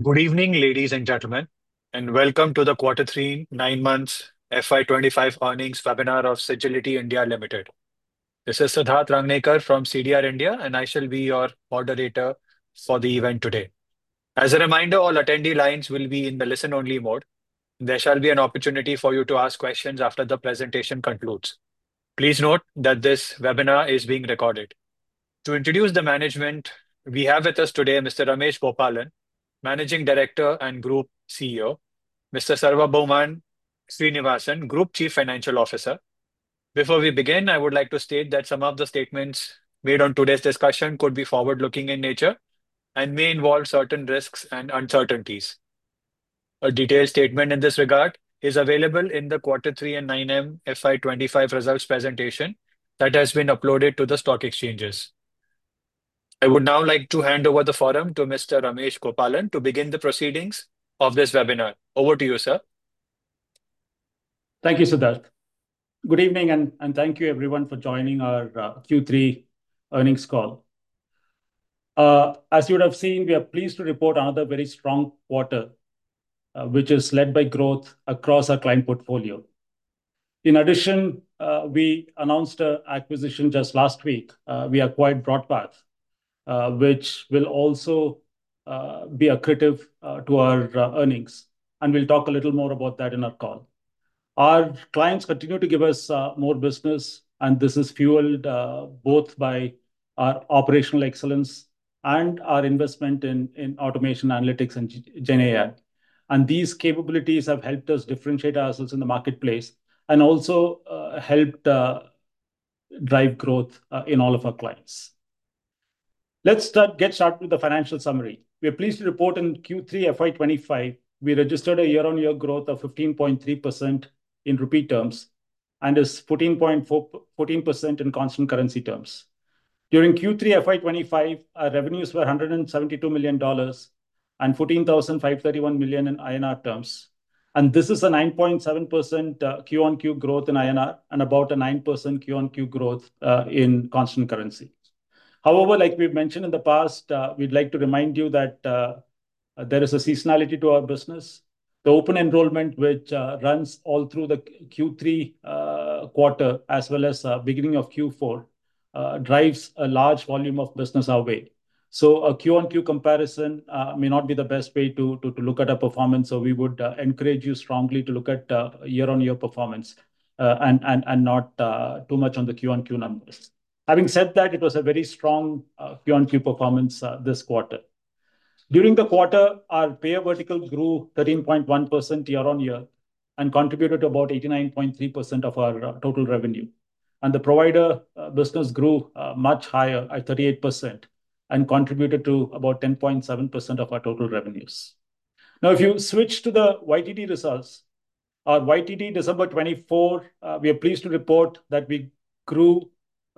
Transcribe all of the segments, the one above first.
Good evening, ladies and gentlemen, and welcome to the Q3 9 Months FY25 Earnings Webinar of Sagility India Limited. This is Siddharth Ranganekar from CDR India, and I shall be your moderator for the event today. As a reminder, all attendee lines will be in the listen-only mode. There shall be an opportunity for you to ask questions after the presentation concludes. Please note that this webinar is being recorded. To introduce the management, we have with us today Mr. Ramesh Gopalan, Managing Director and Group CEO. Mr. Sarvabhouman Srinivasan, Group Chief Financial Officer. Before we begin, I would like to state that some of the statements made on today's discussion could be forward-looking in nature and may involve certain risks and uncertainties. A detailed statement in this regard is available in the Q3 and 9M FY25 results presentation that has been uploaded to the stock exchanges. I would now like to hand over the forum to Mr. Ramesh Gopalan to begin the proceedings of this webinar. Over to you, sir. Thank you, Siddharth. Good evening, and thank you, everyone, for joining our Q3 earnings call. As you would have seen, we are pleased to report another very strong quarter, which is led by growth across our client portfolio. In addition, we announced an acquisition just last week. We acquired BroadPath, which will also be accretive to our earnings, and we'll talk a little more about that in our call. Our clients continue to give us more business, and this is fueled both by our operational excellence and our investment in automation, analytics, and GenAI, and these capabilities have helped us differentiate ourselves in the marketplace and also helped drive growth in all of our clients. Let's get started with the financial summary. We are pleased to report in Q3 FY25, we registered a year-on-year growth of 15.3% in revenue terms and of 14.4% in constant currency terms. During Q3 FY25, our revenues were $172 million and 14,531 million INR in INR terms. This is a 9.7% Q on Q growth in INR and about a 9% Q on Q growth in constant currency. However, like we've mentioned in the past, we'd like to remind you that there is a seasonality to our business. The Open Enrollment, which runs all through the Q3 quarter as well as the beginning of Q4, drives a large volume of business our way. A Q on Q comparison may not be the best way to look at our performance, so we would encourage you strongly to look at year-on-year performance and not too much on the Q on Q numbers. Having said that, it was a very strong Q on Q performance this quarter. During the quarter, our payer vertical grew 13.1% year-on-year and contributed to about 89.3% of our total revenue. And the provider business grew much higher, at 38%, and contributed to about 10.7% of our total revenues. Now, if you switch to the YTD results, our YTD December 2024, we are pleased to report that we grew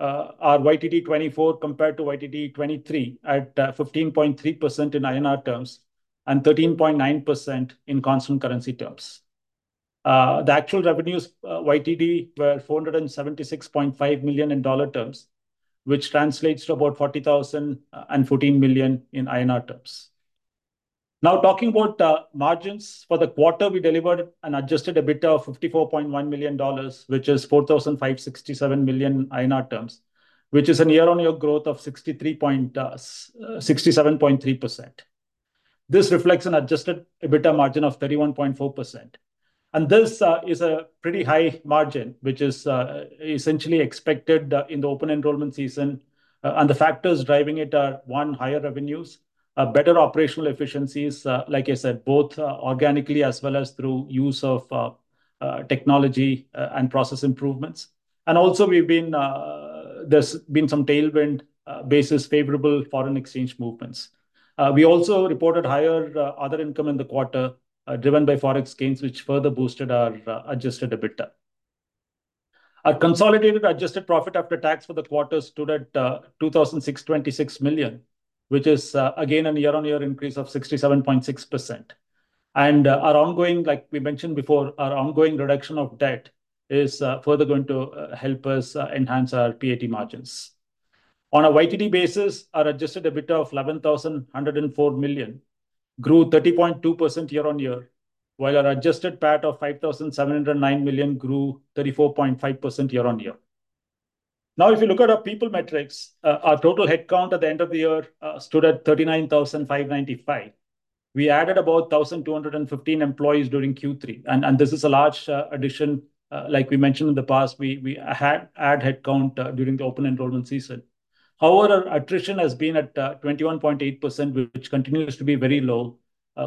our YTD 2024 compared to YTD 2023 at 15.3% in INR terms and 13.9% in constant currency terms. The actual revenues YTD were $476.5 million in dollar terms, which translates to about 40,014 million INR in INR terms. Now, talking about margins, for the quarter, we delivered an adjusted EBITDA of $54.1 million, which is 4,567 million INR in INR terms, which is a year-on-year growth of 67.3%. This reflects an adjusted EBITDA margin of 31.4%. And this is a pretty high margin, which is essentially expected in the open enrollment season. The factors driving it are one, higher revenues, better operational efficiencies, like I said, both organically as well as through use of technology and process improvements. Also, there's been some tailwind basis favorable foreign exchange movements. We also reported higher other income in the quarter driven by forex gains, which further boosted our Adjusted EBITDA. Our consolidated adjusted profit after tax for the quarter stood at $2,626 million, which is, again, a year-on-year increase of 67.6%. Like we mentioned before, our ongoing reduction of debt is further going to help us enhance our PAT margins. On a YTD basis, our Adjusted EBITDA of $11,104 million grew 30.2% year-on-year, while our adjusted PAT of $5,709 million grew 34.5% year-on-year. Now, if you look at our people metrics, our total headcount at the end of the year stood at 39,595. We added about 1,215 employees during Q3, and this is a large addition, like we mentioned in the past, we had added headcount during the open enrollment season. However, attrition has been at 21.8%, which continues to be very low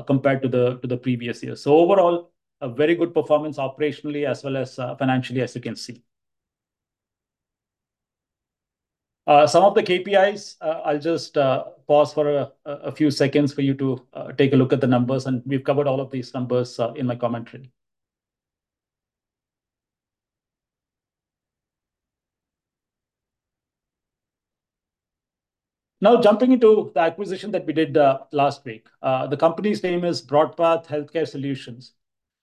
compared to the previous year. So overall, a very good performance operationally as well as financially, as you can see. Some of the KPIs, I'll just pause for a few seconds for you to take a look at the numbers, and we've covered all of these numbers in my commentary. Now, jumping into the acquisition that we did last week, the company's name is BroadPath Healthcare Solutions.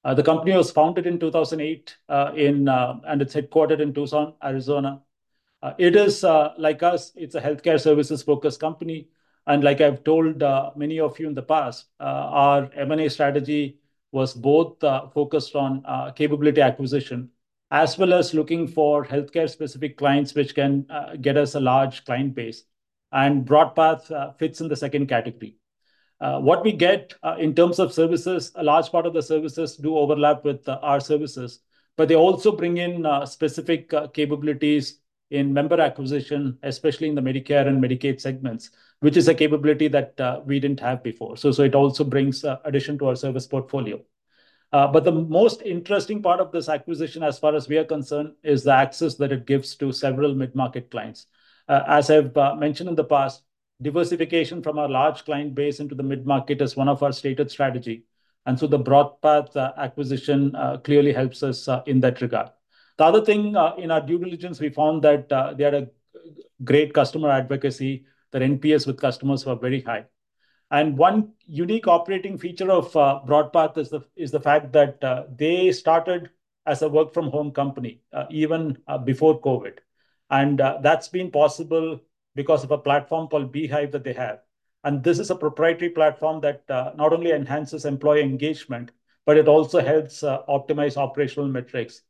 The company was founded in 2008, and it's headquartered in Tucson, Arizona. It is, like us, it's a healthcare services-focused company. Like I've told many of you in the past, our M&A strategy was both focused on capability acquisition as well as looking for healthcare-specific clients which can get us a large client base. Broadpath fits in the second category. What we get in terms of services, a large part of the services do overlap with our services, but they also bring in specific capabilities in member acquisition, especially in the Medicare and Medicaid segments, which is a capability that we didn't have before. It also brings addition to our service portfolio. The most interesting part of this acquisition, as far as we are concerned, is the access that it gives to several mid-market clients. I've mentioned in the past, diversification from our large client base into the mid-market is one of our stated strategy. The Broadpath acquisition clearly helps us in that regard. The other thing in our due diligence, we found that they had great customer advocacy. Their NPS with customers were very high. And one unique operating feature of BroadPath is the fact that they started as a work-from-home company even before COVID. And that's been possible because of a platform called Beehive that they have. And this is a proprietary platform that not only enhances employee engagement, but it also helps optimize operational metrics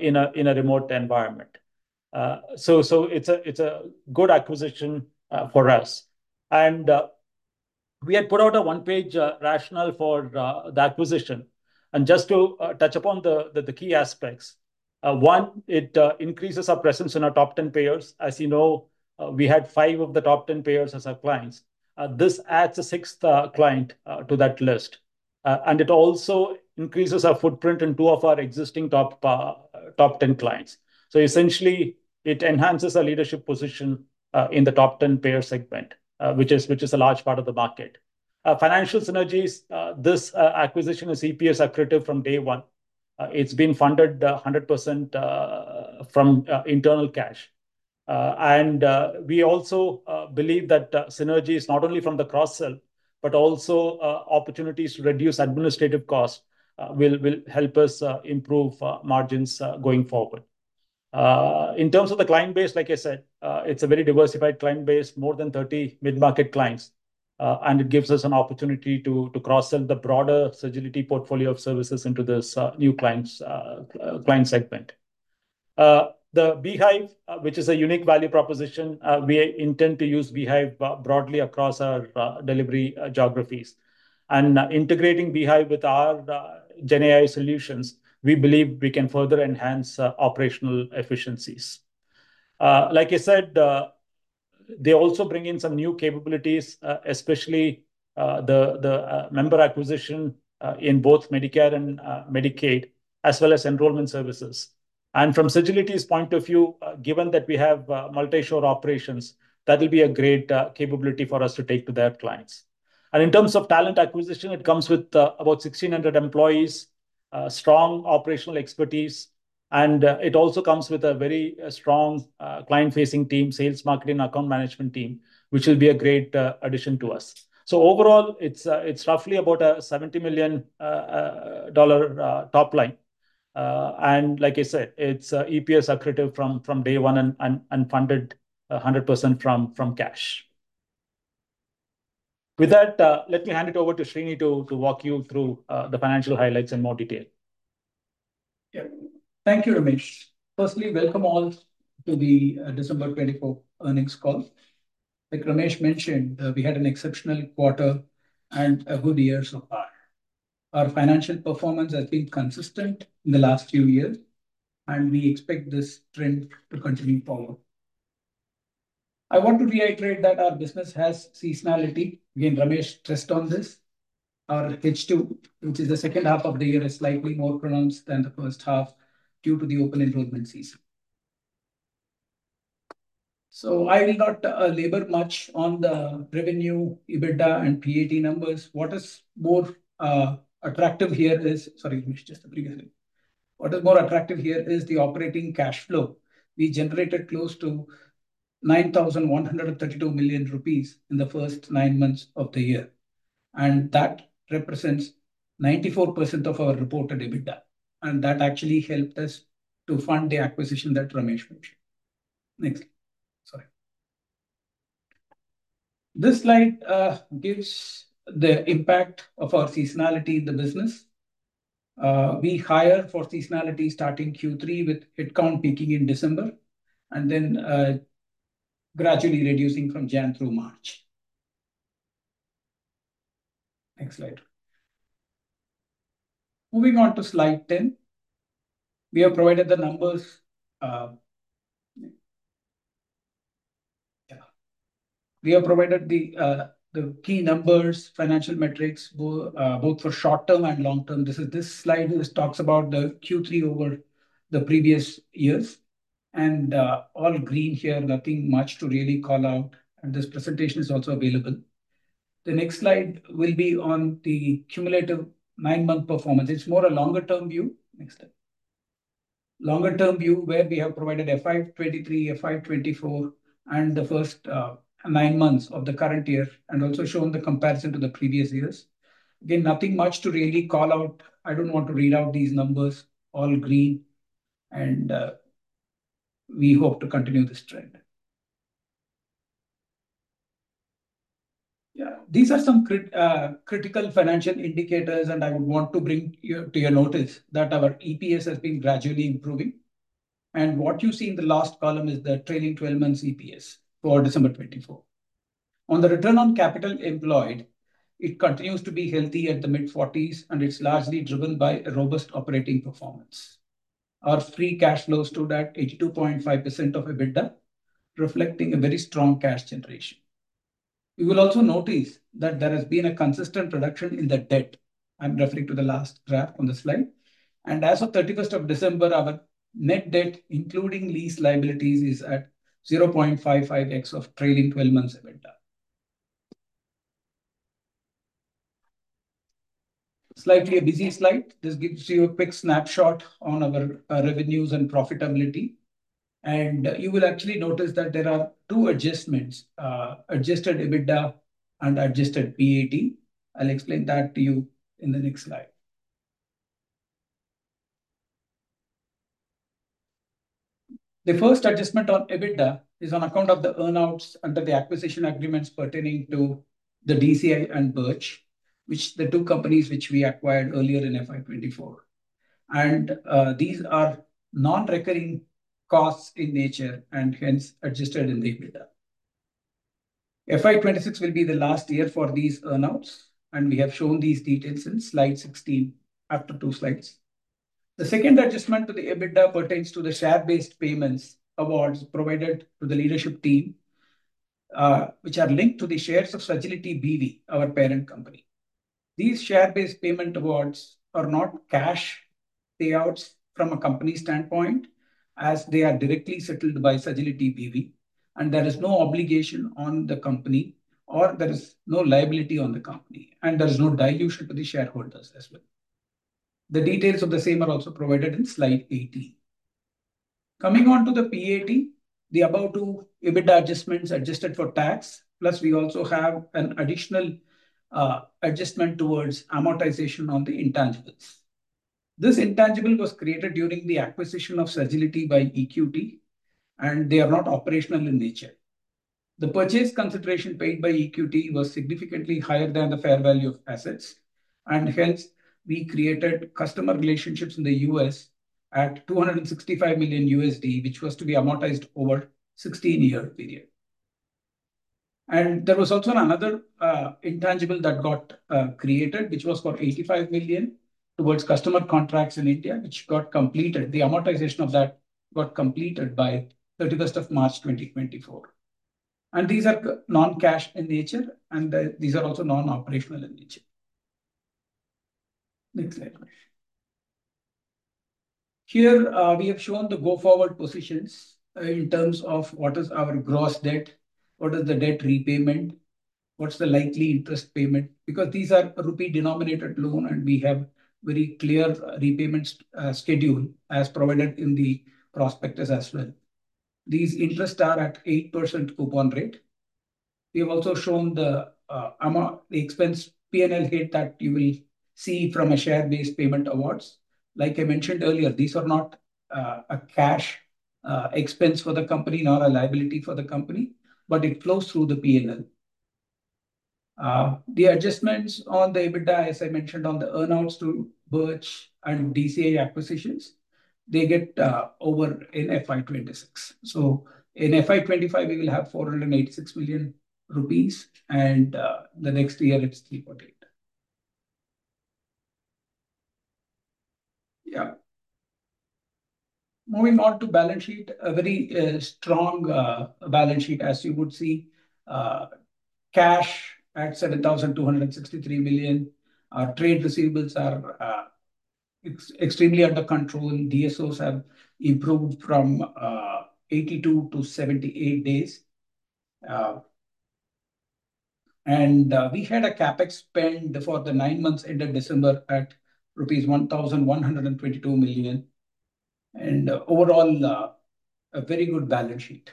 in a remote environment. So it's a good acquisition for us. And we had put out a one-page rationale for the acquisition. And just to touch upon the key aspects, one, it increases our presence in our top 10 payers. As you know, we had five of the top 10 payers as our clients. This adds a sixth client to that list. And it also increases our footprint in two of our existing top 10 clients. So essentially, it enhances our leadership position in the top 10 payer segment, which is a large part of the market. Financial synergies, this acquisition is EPS accretive from day one. It's been funded 100% from internal cash. And we also believe that synergies not only from the cross-sell, but also opportunities to reduce administrative costs will help us improve margins going forward. In terms of the client base, like I said, it's a very diversified client base, more than 30 mid-market clients. And it gives us an opportunity to cross-sell the broader Sagility portfolio of services into this new client segment. The Beehive, which is a unique value proposition, we intend to use Beehive broadly across our delivery geographies. And integrating Beehive with our GenAI solutions, we believe we can further enhance operational efficiencies. Like I said, they also bring in some new capabilities, especially the member acquisition in both Medicare and Medicaid, as well as enrollment services. And from Sagility's point of view, given that we have multi-shore operations, that will be a great capability for us to take to their clients. And in terms of talent acquisition, it comes with about 1,600 employees, strong operational expertise, and it also comes with a very strong client-facing team, sales marketing, account management team, which will be a great addition to us. So overall, it's roughly about a $70 million top line. And like I said, it's EPS accretive from day one and funded 100% from cash. With that, let me hand it over to Srini to walk you through the financial highlights in more detail. Yeah. Thank you, Ramesh. Firstly, welcome all to the December 24 earnings call. Like Ramesh mentioned, we had an exceptional quarter and a good year so far. Our financial performance has been consistent in the last few years, and we expect this trend to continue forward. I want to reiterate that our business has seasonality. Again, Ramesh stressed on this. Our H2, which is the second half of the year, is slightly more pronounced than the first half due to the open enrollment season. So I will not labor much on the revenue, EBITDA, and PAT numbers. What is more attractive here is the operating cash flow. We generated close to $9,132 million in the first nine months of the year. That represents 94% of our reported EBITDA. That actually helped us to fund the acquisition that Ramesh mentioned. Next. Sorry. This slide gives the impact of our seasonality in the business. We hired for seasonality starting Q3 with headcount peaking in December and then gradually reducing from January through March. Next slide. Moving on to slide 10, we have provided the numbers. Yeah. We have provided the key numbers, financial metrics, both for short-term and long-term. This slide talks about the Q3 over the previous years. All green here, nothing much to really call out. This presentation is also available. The next slide will be on the cumulative nine-month performance. It's more a longer-term view. Next slide. Longer-term view where we have provided FY23, FY24, and the first nine months of the current year and also shown the comparison to the previous years. Again, nothing much to really call out. I don't want to read out these numbers. All green. And we hope to continue this trend. Yeah. These are some critical financial indicators, and I would want to bring to your notice that our EPS has been gradually improving. And what you see in the last column is the trailing 12-month EPS for December 2024. On the return on capital employed, it continues to be healthy at the mid-40s, and it's largely driven by robust operating performance. Our free cash flows stood at 82.5% of EBITDA, reflecting a very strong cash generation. You will also notice that there has been a consistent reduction in the debt. I'm referring to the last graph on the slide. And as of 31st of December, our net debt, including lease liabilities, is at 0.55x of trailing 12-month EBITDA. Slightly a busy slide. This gives you a quick snapshot on our revenues and profitability. You will actually notice that there are two adjustments: adjusted EBITDA and adjusted PAT. I'll explain that to you in the next slide. The first adjustment on EBITDA is on account of the earnouts under the acquisition agreements pertaining to the DCI and Birch, which the two companies which we acquired earlier in FY24. These are non-recurring costs in nature and hence adjusted in the EBITDA. FY26 will be the last year for these earnouts, and we have shown these details in slide 16 after two slides. The second adjustment to the EBITDA pertains to the share-based payments awards provided to the leadership team, which are linked to the shares of Sagility BV, our parent company. These share-based payment awards are not cash payouts from a company standpoint, as they are directly settled by Sagility BV. There is no obligation on the company, or there is no liability on the company. There is no dilution to the shareholders as well. The details of the same are also provided in slide 18. Coming on to the PAT, the above two EBITDA adjustments adjusted for tax. Plus, we also have an additional adjustment towards amortization on the intangibles. This intangible was created during the acquisition of Sagility by EQT, and they are not operational in nature. The purchase consideration paid by EQT was significantly higher than the fair value of assets. Hence, we created customer relationships in the U.S. at $265 million, which was to be amortized over a 16-year period. There was also another intangible that got created, which was for $85 million towards customer contracts in India, which got completed. The amortization of that got completed by 31st of March 2024. These are non-cash in nature, and these are also non-operational in nature. Next slide. Here, we have shown the go-forward positions in terms of what is our gross debt, what is the debt repayment, what's the likely interest payment, because these are rupee-denominated loans, and we have very clear repayment schedule as provided in the prospectus as well. These interests are at 8% coupon rate. We have also shown the expense P&L hit that you will see from a share-based payment awards. Like I mentioned earlier, these are not a cash expense for the company nor a liability for the company, but it flows through the P&L. The adjustments on the EBITDA, as I mentioned, on the earnouts to Birch and DCI acquisitions, they get over in FY26. So in FY25, we will have 486 million rupees, and the next year, it's 3.8 million. Yeah. Moving on to balance sheet, a very strong balance sheet, as you would see. Cash at 7,263 million. Trade receivables are extremely under control. DSOs have improved from 82 to 78 days, and we had a CapEx spend for the nine months ended December at rupees 1,122 million, and overall, a very good balance sheet,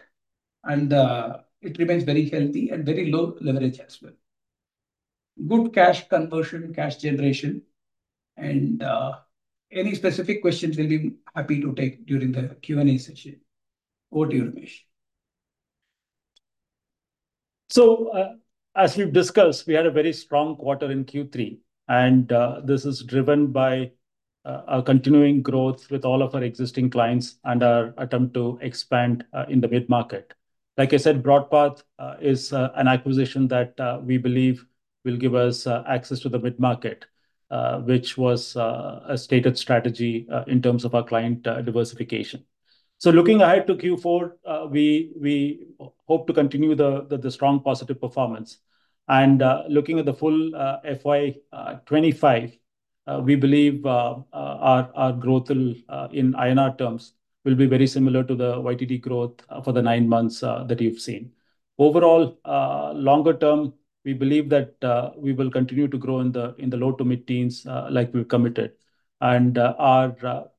and it remains very healthy and very low leverage as well, good cash conversion, cash generation, and any specific questions we'll be happy to take during the Q&A session. Over to you, Ramesh. So as we've discussed, we had a very strong quarter in Q3. And this is driven by our continuing growth with all of our existing clients and our attempt to expand in the mid-market. Like I said, BroadPath is an acquisition that we believe will give us access to the mid-market, which was a stated strategy in terms of our client diversification. So looking ahead to Q4, we hope to continue the strong positive performance. And looking at the full FY25, we believe our growth in INR terms will be very similar to the YTD growth for the nine months that you've seen. Overall, longer term, we believe that we will continue to grow in the low to mid-teens like we've committed. And our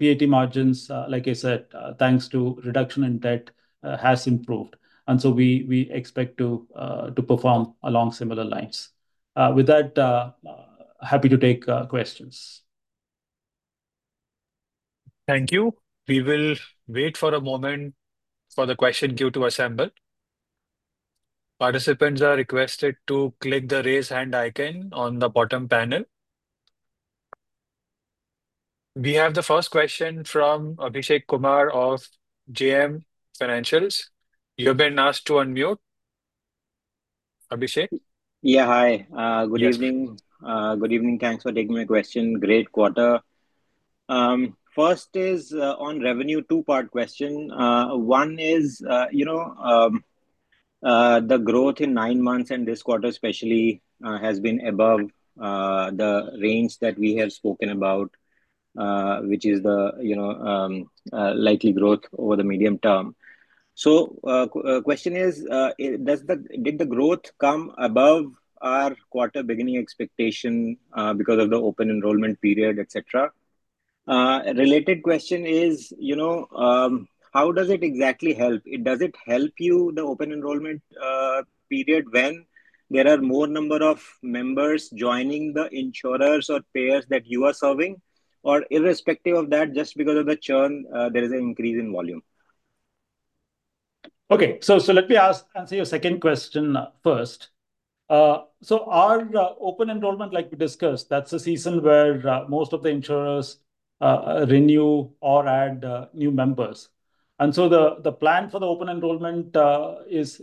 PAT margins, like I said, thanks to reduction in debt, have improved. And so we expect to perform along similar lines. With that, happy to take questions. Thank you. We will wait for a moment for the question queue to assemble. Participants are requested to click the raise hand icon on the bottom panel. We have the first question from Abhishek Kumar of JM Financial. You've been asked to unmute. Abhishek? Yeah, hi. Good evening. Good evening. Thanks for taking my question. Great quarter. First is on revenue, two-part question. One is, you know, the growth in nine months and this quarter especially has been above the range that we have spoken about, which is the likely growth over the medium term. So the question is, did the growth come above our quarter beginning expectation because of the open enrollment period, etc.? Related question is, you know, how does it exactly help? Does it help you, the open enrollment period, when there are more number of members joining the insurers or payers that you are serving? Or irrespective of that, just because of the churn, there is an increase in volume? Okay. So let me answer your second question first. So our Open Enrollment, like we discussed, that's a season where most of the insurers renew or add new members. And so the plan for the Open Enrollment is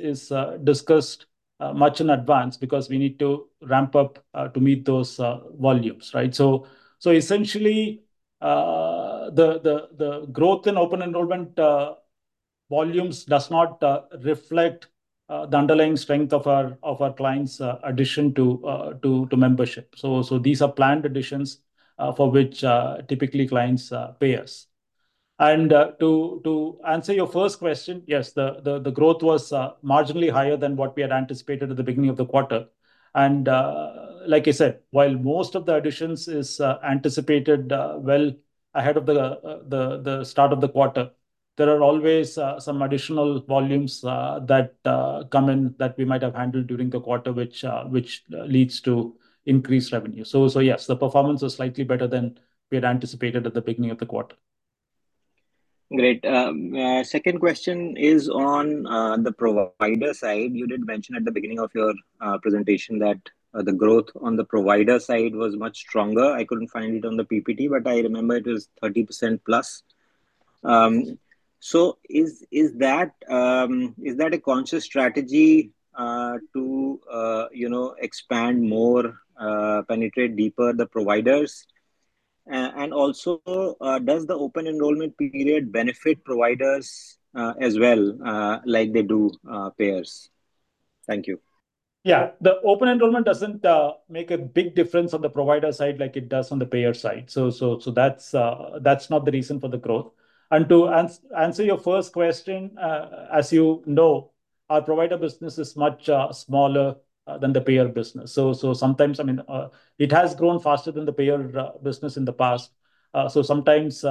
discussed much in advance because we need to ramp up to meet those volumes, right? So essentially, the growth in Open Enrollment volumes does not reflect the underlying strength of our clients' addition to membership. So these are planned additions for which typically clients pay us. And to answer your first question, yes, the growth was marginally higher than what we had anticipated at the beginning of the quarter. And like I said, while most of the additions are anticipated well ahead of the start of the quarter, there are always some additional volumes that come in that we might have handled during the quarter, which leads to increased revenue. So yes, the performance was slightly better than we had anticipated at the beginning of the quarter. Great. Second question is on the provider side. You did mention at the beginning of your presentation that the growth on the provider side was much stronger. I couldn't find it on the PPT, but I remember it was 30% plus. So is that a conscious strategy to expand more, penetrate deeper the providers? And also, does the open enrollment period benefit providers as well like they do payers? Thank you. Yeah. The open enrollment doesn't make a big difference on the provider side like it does on the payer side. So that's not the reason for the growth. And to answer your first question, as you know, our provider business is much smaller than the payer business. So sometimes, I mean, it has grown faster than the payer business in the past. So sometimes,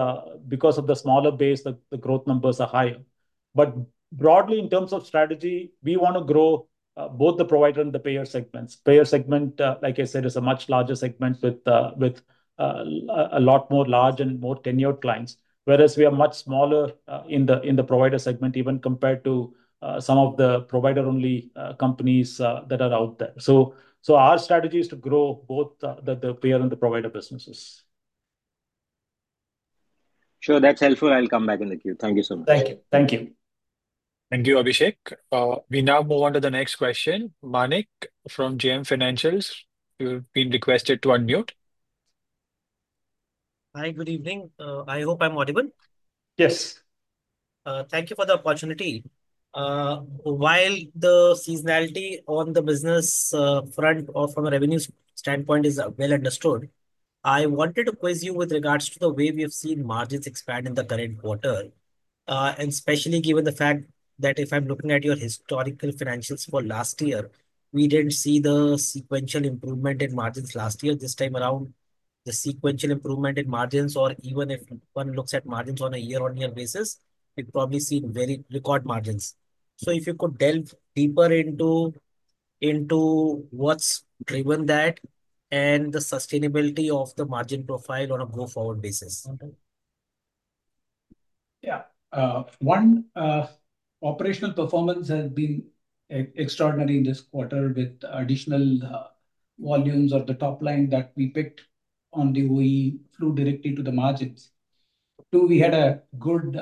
because of the smaller base, the growth numbers are higher. But broadly, in terms of strategy, we want to grow both the provider and the payer segments. Payer segment, like I said, is a much larger segment with a lot more large and more tenured clients, whereas we are much smaller in the provider segment even compared to some of the provider-only companies that are out there. So our strategy is to grow both the payer and the provider businesses. Sure. That's helpful. I'll come back in the queue. Thank you so much. Thank you. Thank you. Thank you, Abhishek. We now move on to the next question. Manik from JM Financial. You've been requested to unmute. Hi. Good evening. I hope I'm audible. Yes. Thank you for the opportunity. While the seasonality on the business front or from a revenue standpoint is well understood, I wanted to quiz you with regards to the way we have seen margins expand in the current quarter, and especially given the fact that if I'm looking at your historical financials for last year, we didn't see the sequential improvement in margins last year. This time around, the sequential improvement in margins, or even if one looks at margins on a year-on-year basis, we've probably seen very record margins. So if you could delve deeper into what's driven that and the sustainability of the margin profile on a go-forward basis. Yeah. One, operational performance has been extraordinary in this quarter with additional volumes of the top line that we picked up on the OE, which flowed directly to the margins. Two, we had a good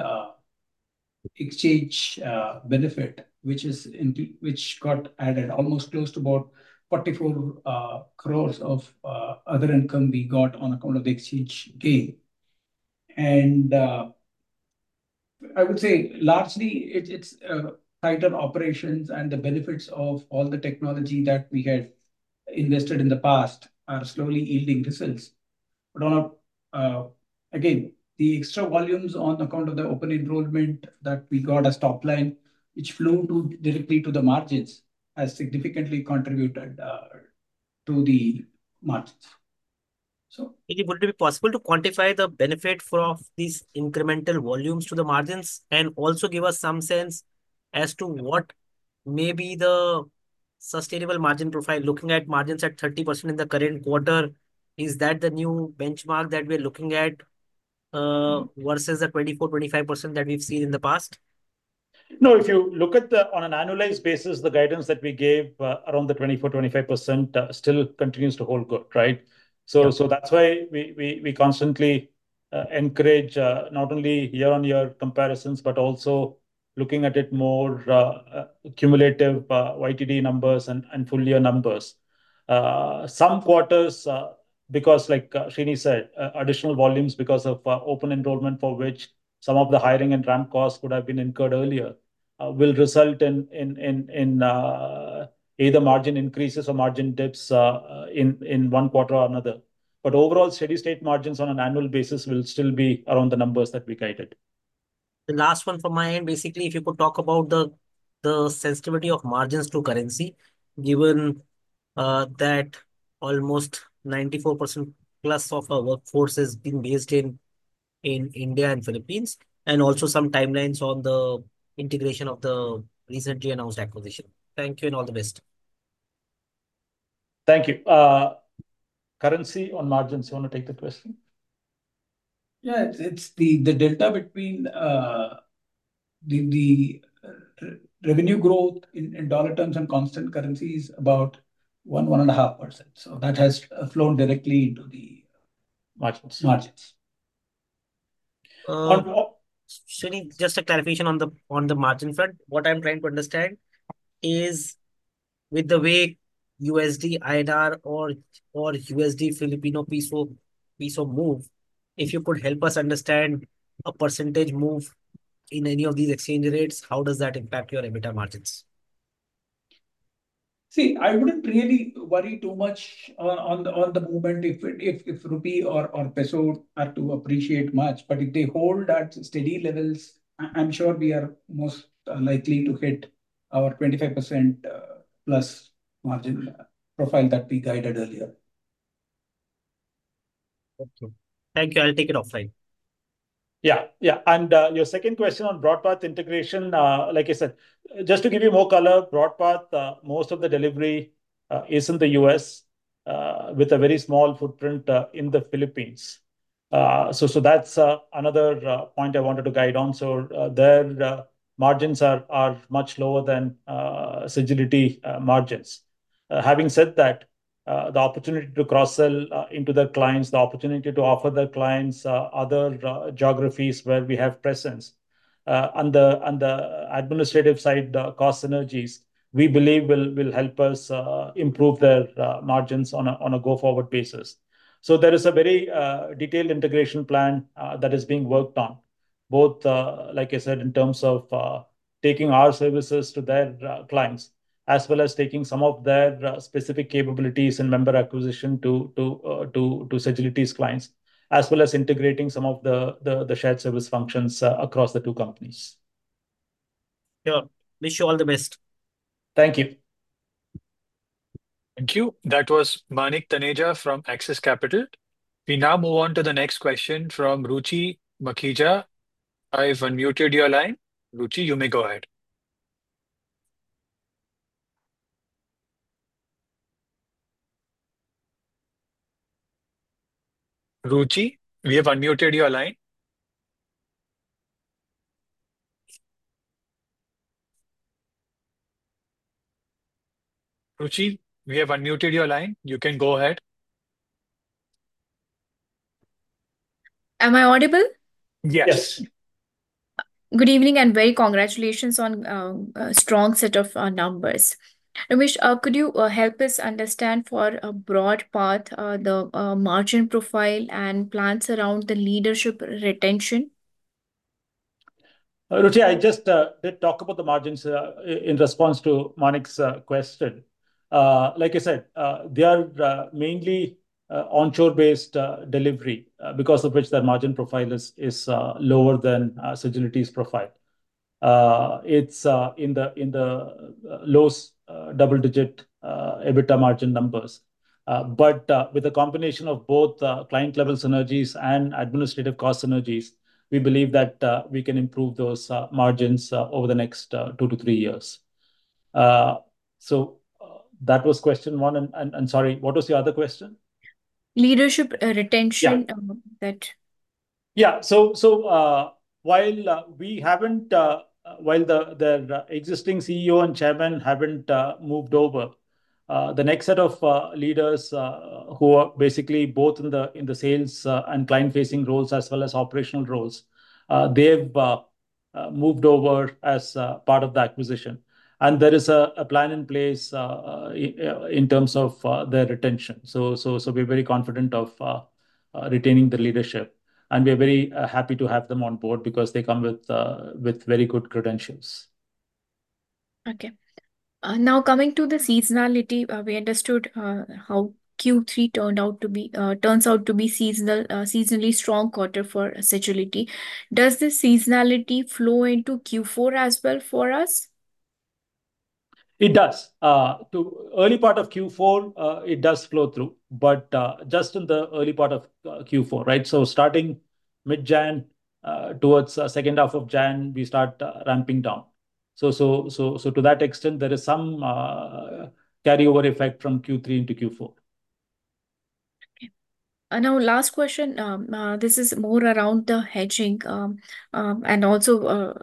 exchange benefit, which got added, almost close to about 44 crores of other income we got on account of the exchange gain. And I would say largely, it's tighter operations, and the benefits of all the technology that we had invested in the past are slowly yielding results. But again, the extra volumes on account of the open enrollment that we got as top line, which flowed directly to the margins, has significantly contributed to the margins. So. Will it be possible to quantify the benefit of these incremental volumes to the margins and also give us some sense as to what may be the sustainable margin profile looking at margins at 30% in the current quarter? Is that the new benchmark that we're looking at versus the 24%-25% that we've seen in the past? No. If you look at it on an annualized basis, the guidance that we gave around the 24%-25% still continues to hold good, right? So that's why we constantly encourage not only year-on-year comparisons, but also looking at it more cumulative YTD numbers and full-year numbers. Some quarters, because, like Srini said, additional volumes because of open enrollment, for which some of the hiring and ramp costs could have been incurred earlier, will result in either margin increases or margin dips in one quarter or another. But overall, steady state margins on an annual basis will still be around the numbers that we guided. The last one from my end, basically, if you could talk about the sensitivity of margins to currency, given that almost 94% plus of our workforce has been based in India and Philippines, and also some timelines on the integration of the recently announced acquisition? Thank you and all the best. Thank you. Currency on margins. You want to take the question? Yeah. It's the delta between the revenue growth in dollar terms and constant currencies about 1-1.5%. So that has flown directly into the margins. Srini, just a clarification on the margin front. What I'm trying to understand is with the way USD INR or USD Philippine Peso move, if you could help us understand a percentage move in any of these exchange rates, how does that impact your EBITDA margins? See, I wouldn't really worry too much on the movement if rupee or peso are to appreciate much. But if they hold at steady levels, I'm sure we are most likely to hit our 25% plus margin profile that we guided earlier. Thank you. I'll take it offline. Yeah. Yeah. And your second question on BroadPath integration, like I said, just to give you more color, BroadPath, most of the delivery is in the U.S. with a very small footprint in the Philippines. So that's another point I wanted to guide on. So their margins are much lower than Sagility margins. Having said that, the opportunity to cross-sell into the clients, the opportunity to offer the clients other geographies where we have presence, and the administrative side, the cost synergies, we believe will help us improve their margins on a go-forward basis. So there is a very detailed integration plan that is being worked on, both, like I said, in terms of taking our services to their clients, as well as taking some of their specific capabilities and member acquisition to Sagility's clients, as well as integrating some of the shared service functions across the two companies. Sure. Wish you all the best. Thank you. Thank you. That was Manik Taneja from Axis Capital. We now move on to the next question from Ruchi Mukhija. I've unmuted your line. Ruchi, you may go ahead. Ruchi, we have unmuted your line. You can go ahead. Am I audible? Yes. Good evening and very congratulations on a strong set of numbers. Ramesh, could you help us understand for BroadPath, the margin profile and plans around the leadership retention? Ruchi, I just did talk about the margins in response to Manik's question. Like I said, they are mainly onshore-based delivery because of which their margin profile is lower than Sagility's profile. It's in the lowest double-digit EBITDA margin numbers. But with a combination of both client-level synergies and administrative cost synergies, we believe that we can improve those margins over the next two to three years. So that was question one. And sorry, what was the other question? Leadership retention that. Yeah. So while the existing CEO and chairman haven't moved over, the next set of leaders who are basically both in the sales and client-facing roles as well as operational roles, they've moved over as part of the acquisition. And there is a plan in place in terms of their retention. So we're very confident of retaining the leadership. And we're very happy to have them on board because they come with very good credentials. Okay. Now coming to the seasonality, we understood how Q3 turns out to be seasonally strong quarter for Sagility. Does the seasonality flow into Q4 as well for us? It does. To early part of Q4, it does flow through. But just in the early part of Q4, right? So starting mid-January, towards the second half of January, we start ramping down. So to that extent, there is some carryover effect from Q3 into Q4. Okay. Now, last question. This is more around the hedging and also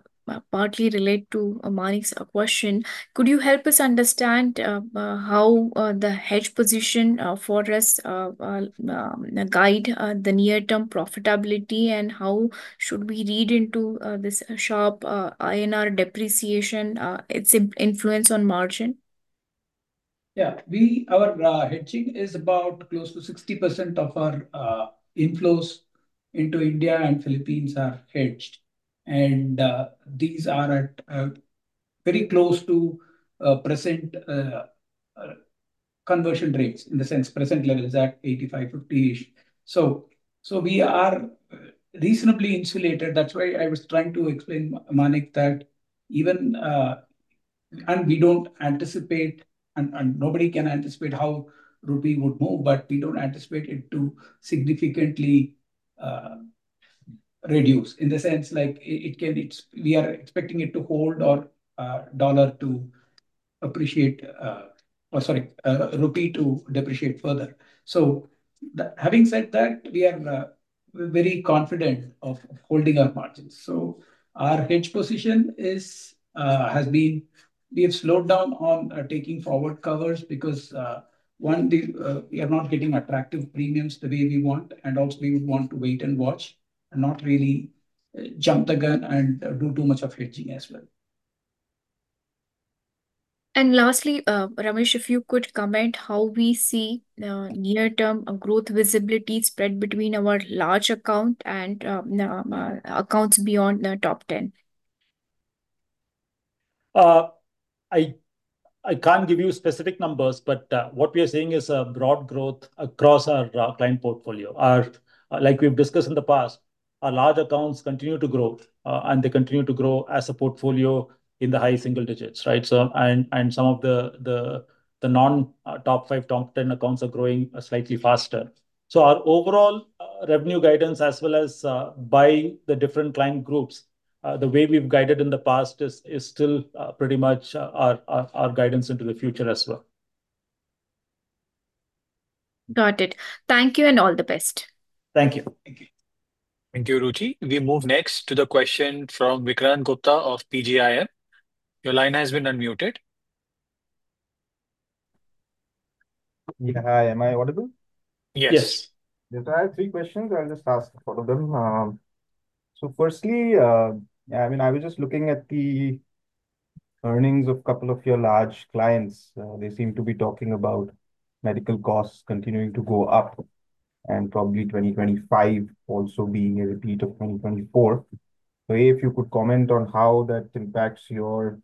partly related to Manik's question. Could you help us understand how the hedge position for us guide the near-term profitability and how should we read into this sharp INR depreciation, its influence on margin? Yeah. Our hedging is about close to 60% of our inflows into India and Philippines are hedged. And these are very close to present conversion rates in the sense present levels at 85, 50-ish. So we are reasonably insulated. That's why I was trying to explain, Manik, that even and we don't anticipate, and nobody can anticipate how rupee would move, but we don't anticipate it to significantly reduce in the sense like it can we are expecting it to hold or dollar to appreciate or sorry, rupee to depreciate further. So having said that, we are very confident of holding our margins. So our hedge position has been we have slowed down on taking forward covers because one, we are not getting attractive premiums the way we want. And also, we would want to wait and watch and not really jump the gun and do too much of hedging as well. Lastly, Ramesh, if you could comment how we see near-term growth visibility spread between our large account and accounts beyond the top 10. I can't give you specific numbers, but what we are seeing is a broad growth across our client portfolio. Like we've discussed in the past, our large accounts continue to grow, and they continue to grow as a portfolio in the high single digits, right? And some of the non-top 5, top 10 accounts are growing slightly faster. So our overall revenue guidance, as well as by the different client groups, the way we've guided in the past is still pretty much our guidance into the future as well. Got it. Thank you and all the best. Thank you. Thank you. Thank you, Ruchi. We move next to the question from Vikrant Gupta of PGIM. Your line has been unmuted. Yeah. Hi. Am I audible? Yes. Yes. I have three questions. I'll just ask a couple of them. So firstly, I mean, I was just looking at the earnings of a couple of your large clients. They seem to be talking about medical costs continuing to go up and probably 2025 also being a repeat of 2024. So if you could comment on how that impacts your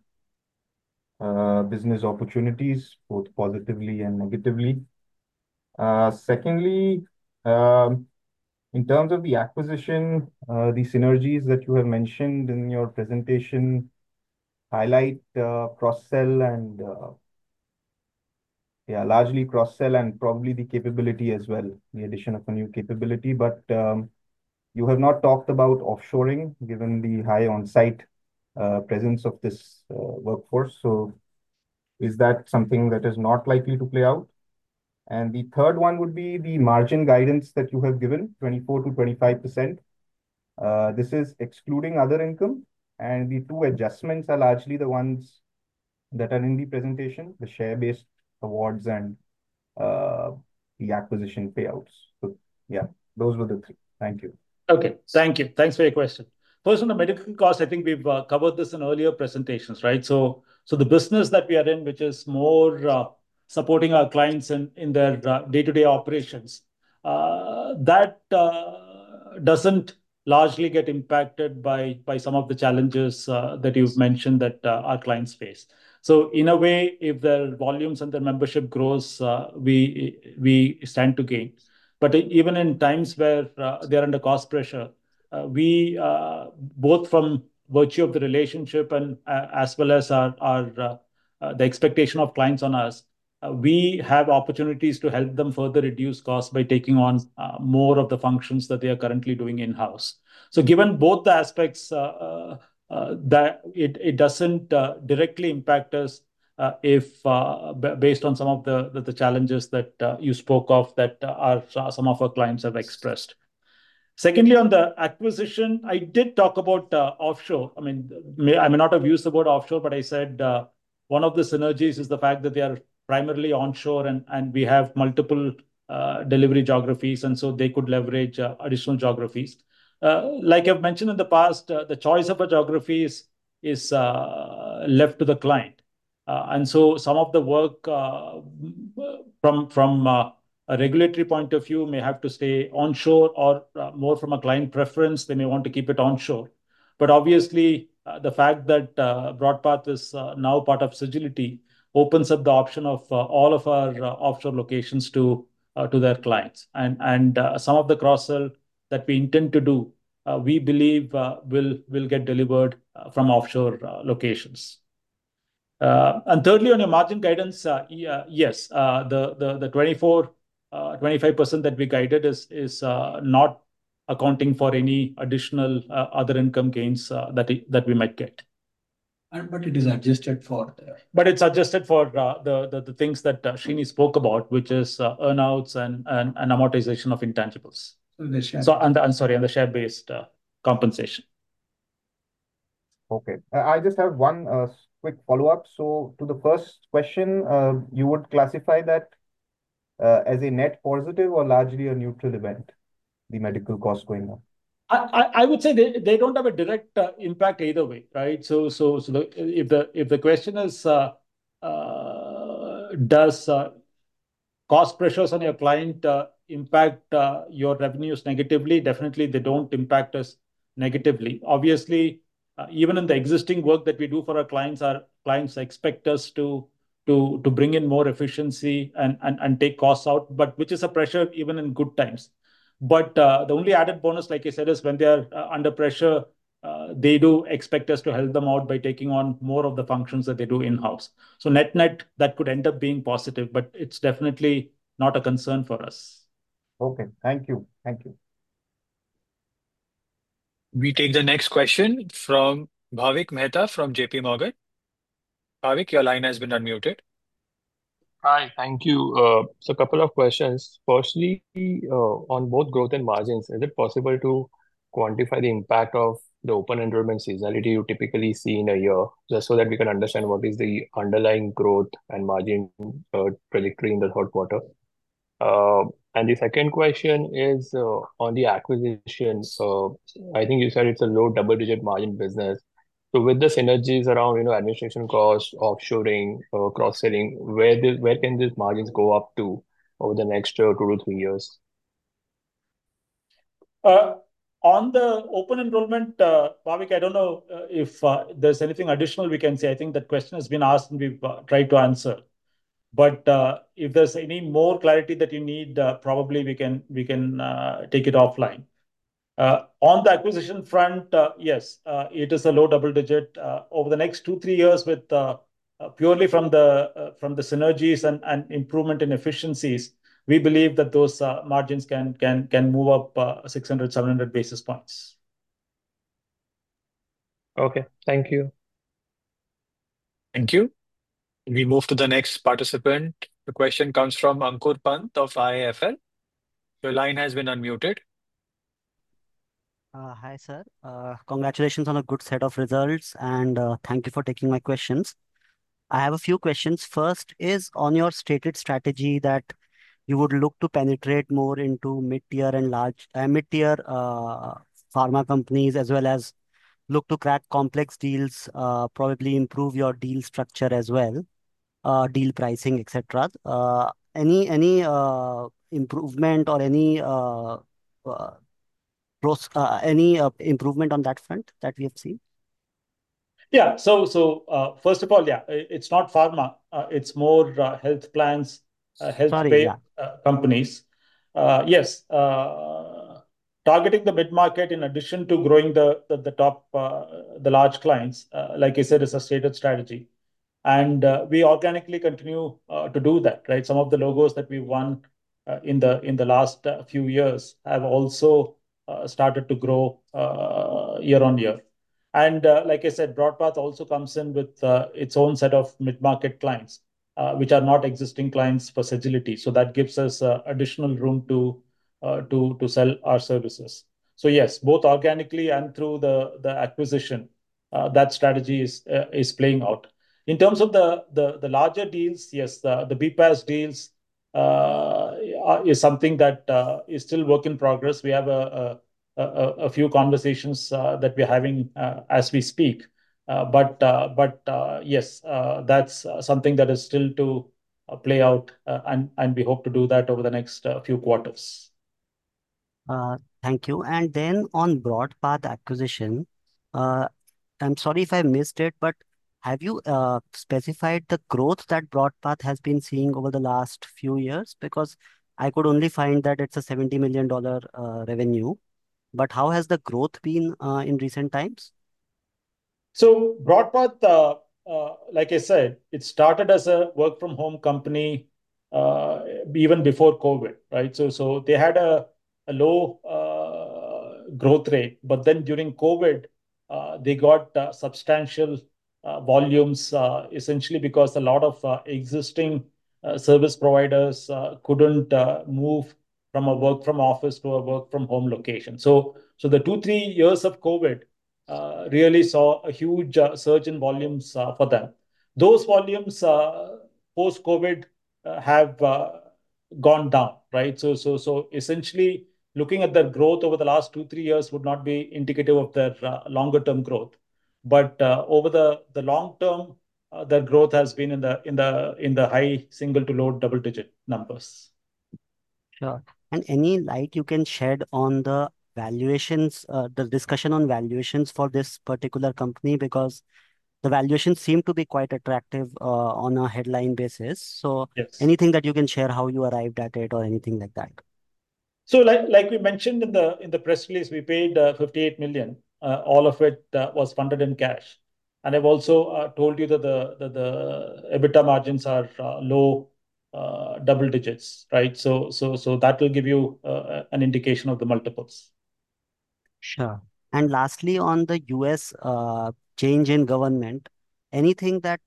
business opportunities, both positively and negatively. Secondly, in terms of the acquisition, the synergies that you have mentioned in your presentation highlight cross-sell and yeah, largely cross-sell and probably the capability as well, the addition of a new capability. But you have not talked about offshoring given the high on-site presence of this workforce. So is that something that is not likely to play out? And the third one would be the margin guidance that you have given, 24%-25%. This is excluding other income. The two adjustments are largely the ones that are in the presentation, the share-based awards and the acquisition payouts. Yeah, those were the three. Thank you. Okay. Thank you. Thanks for your question. First, on the medical cost, I think we've covered this in earlier presentations, right? So the business that we are in, which is more supporting our clients in their day-to-day operations, that doesn't largely get impacted by some of the challenges that you've mentioned that our clients face. So in a way, if their volumes and their membership grows, we stand to gain. But even in times where they are under cost pressure, both by virtue of the relationship and as well as the expectation of clients on us, we have opportunities to help them further reduce costs by taking on more of the functions that they are currently doing in-house. So given both the aspects, it doesn't directly impact us based on some of the challenges that you spoke of that some of our clients have expressed. Secondly, on the acquisition, I did talk about offshore. I mean, I may not have used the word offshore, but I said one of the synergies is the fact that they are primarily onshore and we have multiple delivery geographies. And so they could leverage additional geographies. Like I've mentioned in the past, the choice of a geography is left to the client. And so some of the work from a regulatory point of view may have to stay onshore or more from a client preference, they may want to keep it onshore. But obviously, the fact that BroadPath is now part of Sagility opens up the option of all of our offshore locations to their clients. And some of the cross-sell that we intend to do, we believe will get delivered from offshore locations. And thirdly, on your margin guidance, yes, the 24%-25% that we guided is not accounting for any additional other income gains that we might get. But it is adjusted for there. But it's adjusted for the things that Shini spoke about, which is earnouts and amortization of intangibles. So I'm sorry, on the share-based compensation. Okay. I just have one quick follow-up. So to the first question, you would classify that as a net positive or largely a neutral event, the medical cost going up? I would say they don't have a direct impact either way, right? So if the question is, does cost pressures on your client impact your revenues negatively, definitely they don't impact us negatively. Obviously, even in the existing work that we do for our clients, our clients expect us to bring in more efficiency and take costs out, which is a pressure even in good times. But the only added bonus, like I said, is when they are under pressure, they do expect us to help them out by taking on more of the functions that they do in-house. So net-net, that could end up being positive, but it's definitely not a concern for us. Okay. Thank you. Thank you. We take the next question from Bhavik Mehta from JPMorgan. Bhavik, your line has been unmuted. Hi. Thank you. So a couple of questions. Firstly, on both growth and margins, is it possible to quantify the impact of the Open Enrollment seasonality you typically see in a year just so that we can understand what is the underlying growth and margin trajectory in the third quarter? And the second question is on the acquisition. So I think you said it's a low double-digit margin business. So with the synergies around administration costs, offshoring, cross-selling, where can these margins go up to over the next two to three years? On the open enrollment, Bhavik, I don't know if there's anything additional we can say. I think that question has been asked and we've tried to answer. But if there's any more clarity that you need, probably we can take it offline. On the acquisition front, yes, it is a low double-digit. Over the next two, three years, purely from the synergies and improvement in efficiencies, we believe that those margins can move up 600-700 basis points. Okay. Thank you. Thank you. We move to the next participant. The question comes from Ankur Pant of IIFL. Your line has been unmuted. Hi, sir. Congratulations on a good set of results. Thank you for taking my questions. I have a few questions. First is, on your stated strategy that you would look to penetrate more into mid-tier and large mid-tier pharma companies as well as look to crack complex deals, probably improve your deal structure as well, deal pricing, etc., any improvement on that front that we have seen? Yeah. So first of all, yeah, it's not pharma. It's more health plans, health payer companies. Yes. Targeting the mid-market in addition to growing the top, the large clients, like I said, is a stated strategy. And we organically continue to do that, right? Some of the logos that we've won in the last few years have also started to grow year on year. And like I said, Broadpath also comes in with its own set of mid-market clients, which are not existing clients for Sagility. So that gives us additional room to sell our services. So yes, both organically and through the acquisition, that strategy is playing out. In terms of the larger deals, yes, the BPAS deals is something that is still a work in progress. We have a few conversations that we're having as we speak. But yes, that's something that is still to play out, and we hope to do that over the next few quarters. Thank you, and then on BroadPath acquisition, I'm sorry if I missed it, but have you specified the growth that BroadPath has been seeing over the last few years? Because I could only find that it's a $70 million revenue, but how has the growth been in recent times? So Broadpath, like I said, it started as a work-from-home company even before COVID, right? So they had a low growth rate. But then during COVID, they got substantial volumes essentially because a lot of existing service providers couldn't move from a work-from-office to a work-from-home location. So the two, three years of COVID really saw a huge surge in volumes for them. Those volumes post-COVID have gone down, right? So essentially, looking at their growth over the last two, three years would not be indicative of their longer-term growth. But over the long term, their growth has been in the high single to low double-digit numbers. Sure. And any light you can shed on the valuations, the discussion on valuations for this particular company? Because the valuations seem to be quite attractive on a headline basis. So anything that you can share how you arrived at it or anything like that? Like we mentioned in the press release, we paid $58 million, all of which was funded in cash. I've also told you that the EBITDA margins are low double digits, right? That will give you an indication of the multiples. Sure. And lastly, on the U.S. change in government, anything that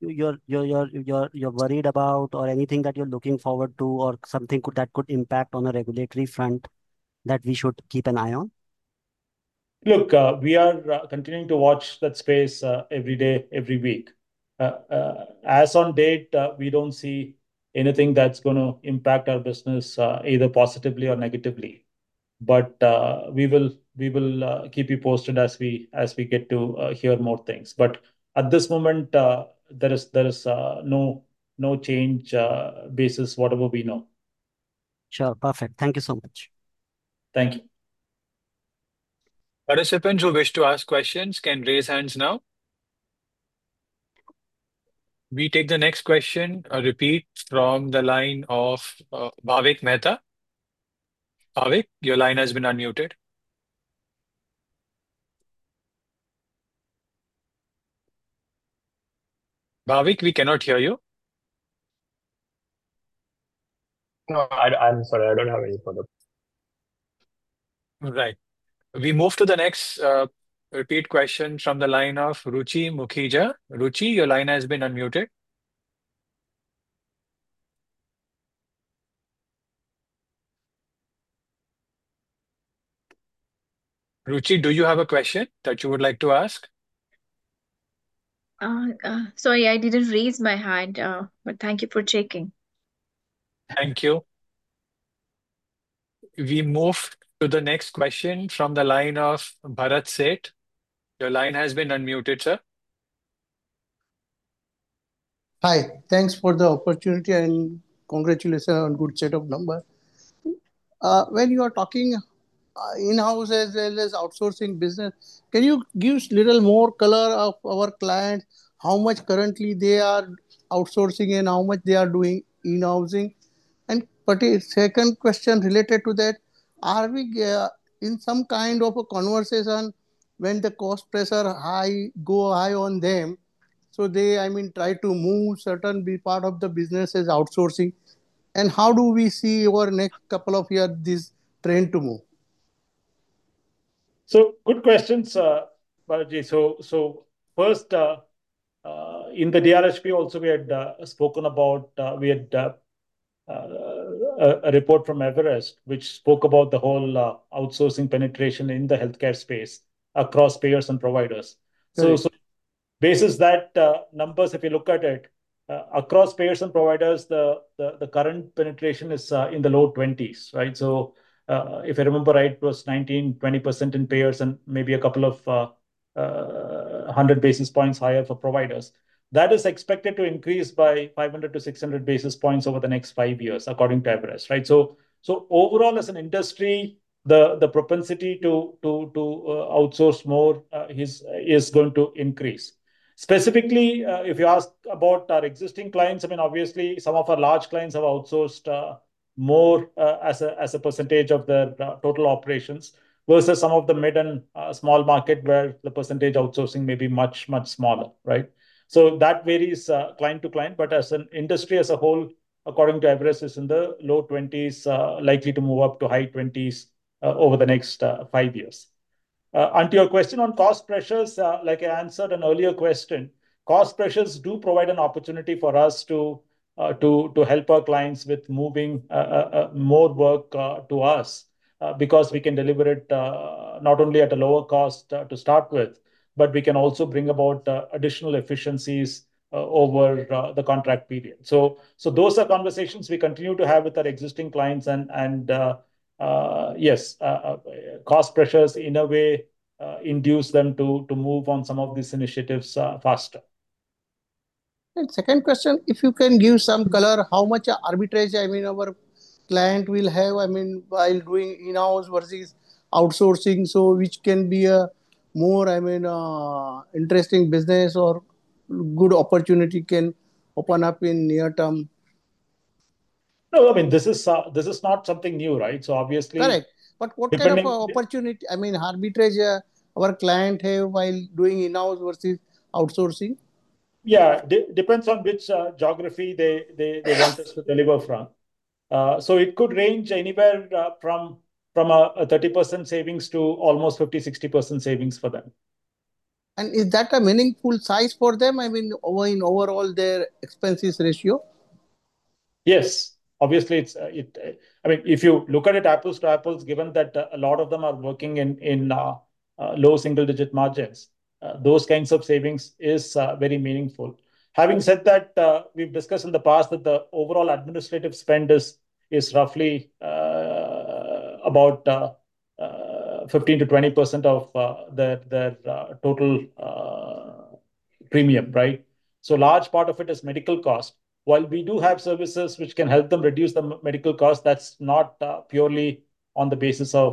you're worried about or anything that you're looking forward to or something that could impact on a regulatory front that we should keep an eye on? Look, we are continuing to watch that space every day, every week. As on date, we don't see anything that's going to impact our business either positively or negatively, but we will keep you posted as we get to hear more things, but at this moment, there is no change based on whatever we know. Sure. Perfect. Thank you so much. Thank you. Participants who wish to ask questions can raise hands now. We take the next question or repeat from the line of Bhavik Mehta. Bhavik, your line has been unmuted. Bhavik, we cannot hear you. I'm sorry. I don't have any further. Right. We move to the next repeat question from the line of Ruchi Mukhija. Ruchi, your line has been unmuted. Ruchi, do you have a question that you would like to ask? Sorry, I didn't raise my hand. But thank you for checking. Thank you. We move to the next question from the line of Bharat Sheth. Your line has been unmuted, sir. Hi. Thanks for the opportunity and congratulations on a good set of numbers. When you are talking in-house as well as outsourcing business, can you give a little more color of our clients, how much currently they are outsourcing and how much they are doing in-housing? And second question related to that, are we in some kind of a conversation when the cost pressure goes high on them? So they, I mean, try to move certain part of the business as outsourcing. And how do we see over the next couple of years this trend to move? Good questions, Bharatji. First, in the DRHP, also we had spoken about a report from Everest, which spoke about the whole outsourcing penetration in the healthcare space across payers and providers. Basis that numbers, if you look at it, across payers and providers, the current penetration is in the low 20s, right? If I remember right, it was 19%-20% in payers and maybe a couple of 100 basis points higher for providers. That is expected to increase by 500-600 basis points over the next five years, according to Everest, right? Overall, as an industry, the propensity to outsource more is going to increase. Specifically, if you ask about our existing clients, I mean, obviously, some of our large clients have outsourced more as a percentage of their total operations versus some of the mid and small market where the percentage outsourcing may be much, much smaller, right? So that varies client to client. But as an industry as a whole, according to Everest, it's in the low 20s%, likely to move up to high 20s% over the next five years. Onto your question on cost pressures, like I answered an earlier question, cost pressures do provide an opportunity for us to help our clients with moving more work to us because we can deliver it not only at a lower cost to start with, but we can also bring about additional efficiencies over the contract period. So those are conversations we continue to have with our existing clients. Yes, cost pressures in a way induce them to move on some of these initiatives faster. And second question, if you can give some color, how much arbitrage, I mean, our client will have, I mean, while doing in-house versus outsourcing? So which can be a more, I mean, interesting business or good opportunity can open up in near term? No, I mean, this is not something new, right? So obviously. Correct. But what kind of opportunity, I mean, arbitrage our clients have while doing in-house versus outsourcing? Yeah. Depends on which geography they want us to deliver from. So it could range anywhere from 30% savings to almost 50%-60% savings for them. Is that a meaningful size for them? I mean, overall, their expense ratio? Yes. Obviously, I mean, if you look at it apples to apples, given that a lot of them are working in low single-digit margins, those kinds of savings is very meaningful. Having said that, we've discussed in the past that the overall administrative spend is roughly about 15%-20% of their total premium, right? So a large part of it is medical cost. While we do have services which can help them reduce the medical cost, that's not purely on the basis of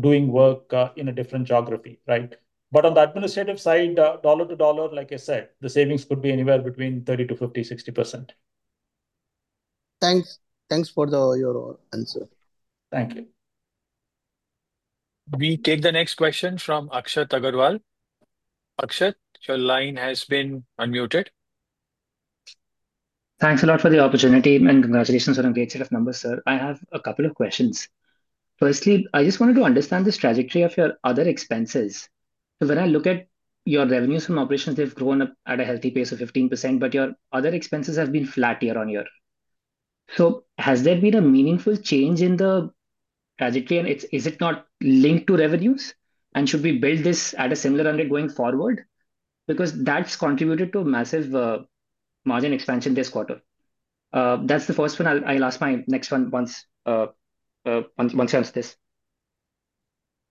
doing work in a different geography, right? But on the administrative side, dollar to dollar, like I said, the savings could be anywhere between 30% to 50%, 60%. Thanks. Thanks for your answer. Thank you. We take the next question from Akshat Agarwal. Akshat, your line has been unmuted. Thanks a lot for the opportunity and congratulations on a great set of numbers, sir. I have a couple of questions. Firstly, I just wanted to understand the trajectory of your other expenses. So when I look at your revenues from operations, they've grown at a healthy pace of 15%, but your other expenses have been flat year-on-year. So has there been a meaningful change in the trajectory? And is it not linked to revenues? And should we build this at a similar rate going forward? Because that's contributed to massive margin expansion this quarter. That's the first one. I'll ask my next one once I ask this.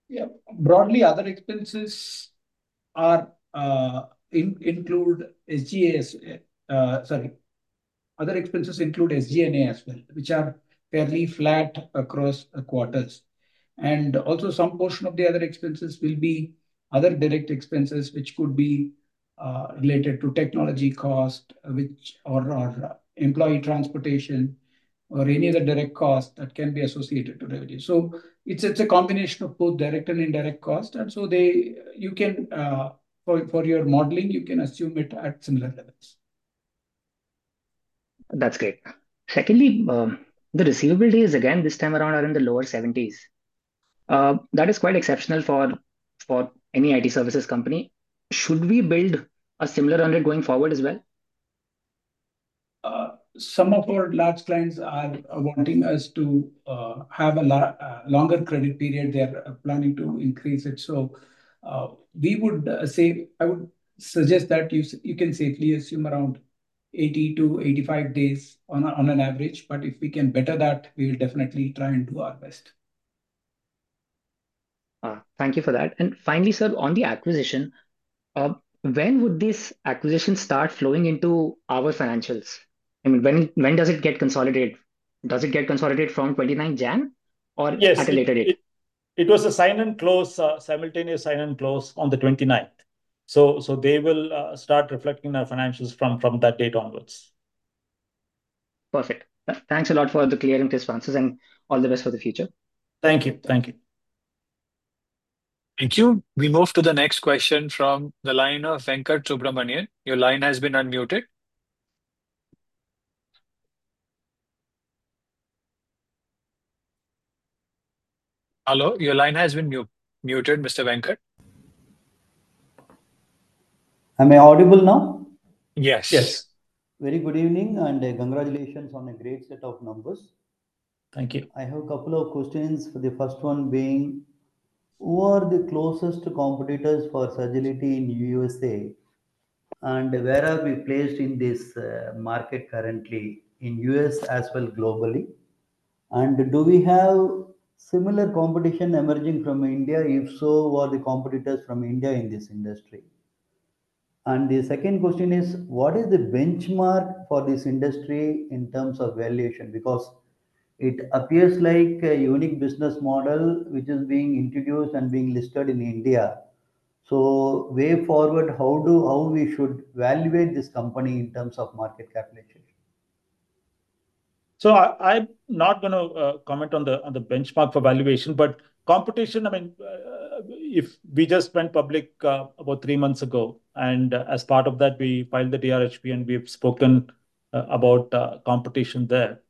Yeah. Broadly, other expenses include SG&A as well. Sorry. Other expenses include SG&A as well, which are fairly flat across quarters. Also, some portion of the other expenses will be other direct expenses, which could be related to technology cost or employee transportation or any other direct cost that can be associated to revenue. So it's a combination of both direct and indirect cost. You can, for your modeling, you can assume it at similar levels. That's great. Secondly, the receivables, again, this time around are in the lower 70s. That is quite exceptional for any IT services company. Should we build a similar trend going forward as well? Some of our large clients are wanting us to have a longer credit period. They're planning to increase it. So we would say, I would suggest that you can safely assume around 80-85 days on an average. But if we can better that, we will definitely try and do our best. Thank you for that. And finally, sir, on the acquisition, when would this acquisition start flowing into our financials? I mean, when does it get consolidated? Does it get consolidated from 29th January or at a later date? It was a sign-and-close, simultaneous sign-and-close on the 29th. So they will start reflecting our financials from that date onwards. Perfect. Thanks a lot for the clear and crisp answers and all the best for the future. Thank you. Thank you. Thank you. We move to the next question from the line of Venkat Subramanian. Your line has been unmuted. Hello. Your line has been muted, Mr. Venkat. Am I audible now? Yes. Yes. Very good evening and congratulations on a great set of numbers. Thank you. I have a couple of questions. The first one being, who are the closest competitors for Sagility in USA? And where are we placed in this market currently in the U.S. as well globally? And do we have similar competition emerging from India? If so, who are the competitors from India in this industry? And the second question is, what is the benchmark for this industry in terms of valuation? Because it appears like a unique business model which is being introduced and being listed in India. So way forward, how we should valuate this company in terms of market capitalization? So I'm not going to comment on the benchmark for valuation, but competition, I mean, if we just went public about three months ago, and as part of that, we filed the DRHP, and we've spoken about competition there.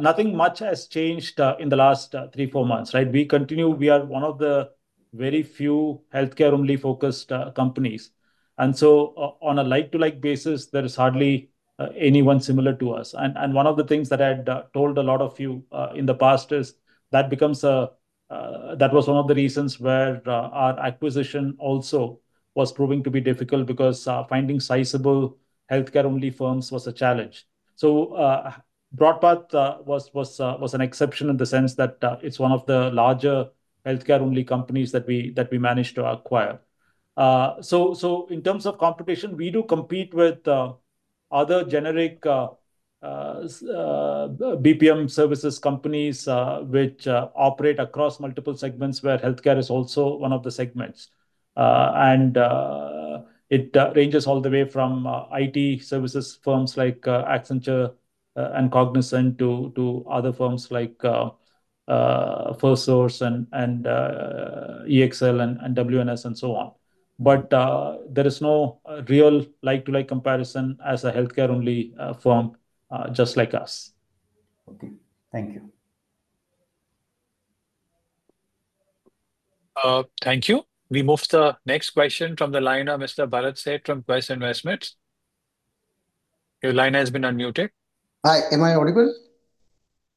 Nothing much has changed in the last three, four months, right? We continue. We are one of the very few healthcare-only focused companies. And so on a like-to-like basis, there is hardly anyone similar to us. And one of the things that I had told a lot of you in the past is that becomes a—that was one of the reasons where our acquisition also was proving to be difficult because finding sizable healthcare-only firms was a challenge. So Broadpath was an exception in the sense that it's one of the larger healthcare-only companies that we managed to acquire. So in terms of competition, we do compete with other generic BPM services companies which operate across multiple segments where healthcare is also one of the segments. And it ranges all the way from IT services firms like Accenture and Cognizant to other firms like Firstsource and EXL and WNS and so on. But there is no real like-to-like comparison as a healthcare-only firm just like us. Okay. Thank you. Thank you. We move to the next question from the line of Mr. Bharat Seth from Quest Investments. Your line has been unmuted. Hi. Am I audible?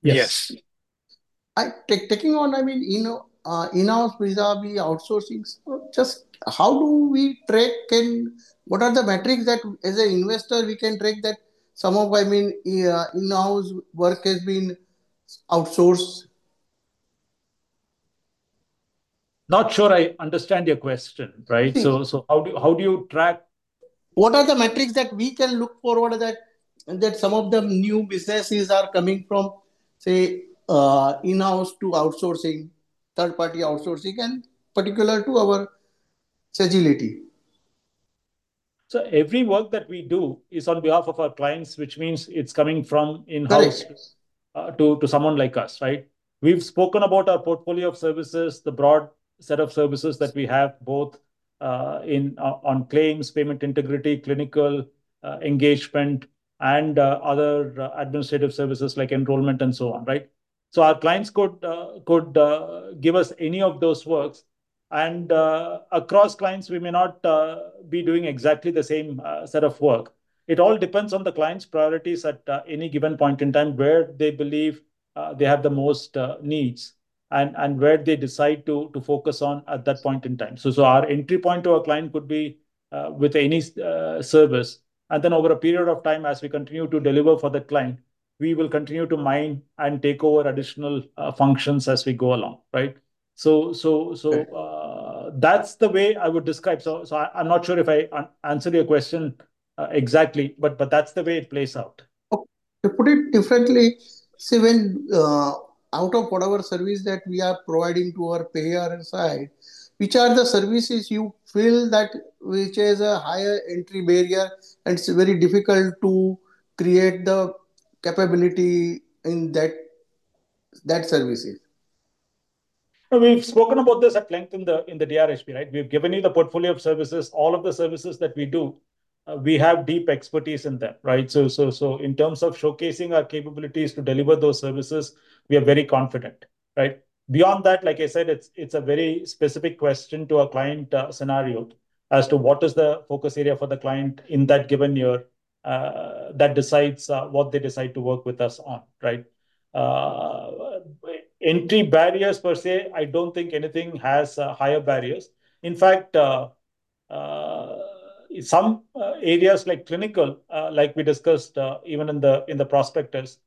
Yes. Yes. Taking on, I mean, in-house vis-à-vis outsourcing, just how do we track and what are the metrics that, as an investor, we can track that some of, I mean, in-house work has been outsourced? Not sure I understand your question, right? So how do you track? What are the metrics that we can look forward that some of the new businesses are coming from, say, in-house to outsourcing, third-party outsourcing, and particular to our Sagility? So every work that we do is on behalf of our clients, which means it's coming from in-house to someone like us, right? We've spoken about our portfolio of services, the broad set of services that we have both on claims, payment integrity, clinical engagement, and other administrative services like enrollment and so on, right? So our clients could give us any of those works. And across clients, we may not be doing exactly the same set of work. It all depends on the client's priorities at any given point in time where they believe they have the most needs and where they decide to focus on at that point in time. So our entry point to our client could be with any service. And then over a period of time, as we continue to deliver for the client, we will continue to mine and take over additional functions as we go along, right? So that's the way I would describe. So I'm not sure if I answered your question exactly, but that's the way it plays out. To put it differently, see, when out of whatever service that we are providing to our payer side, which are the services you feel that which has a higher entry barrier and it's very difficult to create the capability in that services? We've spoken about this at length in the DRHP, right? We've given you the portfolio of services, all of the services that we do. We have deep expertise in them, right? So in terms of showcasing our capabilities to deliver those services, we are very confident, right? Beyond that, like I said, it's a very specific question to our client scenario as to what is the focus area for the client in that given year that decides what they decide to work with us on, right? Entry barriers per se, I don't think anything has higher barriers. In fact, some areas like clinical, like we discussed even in the prospectus,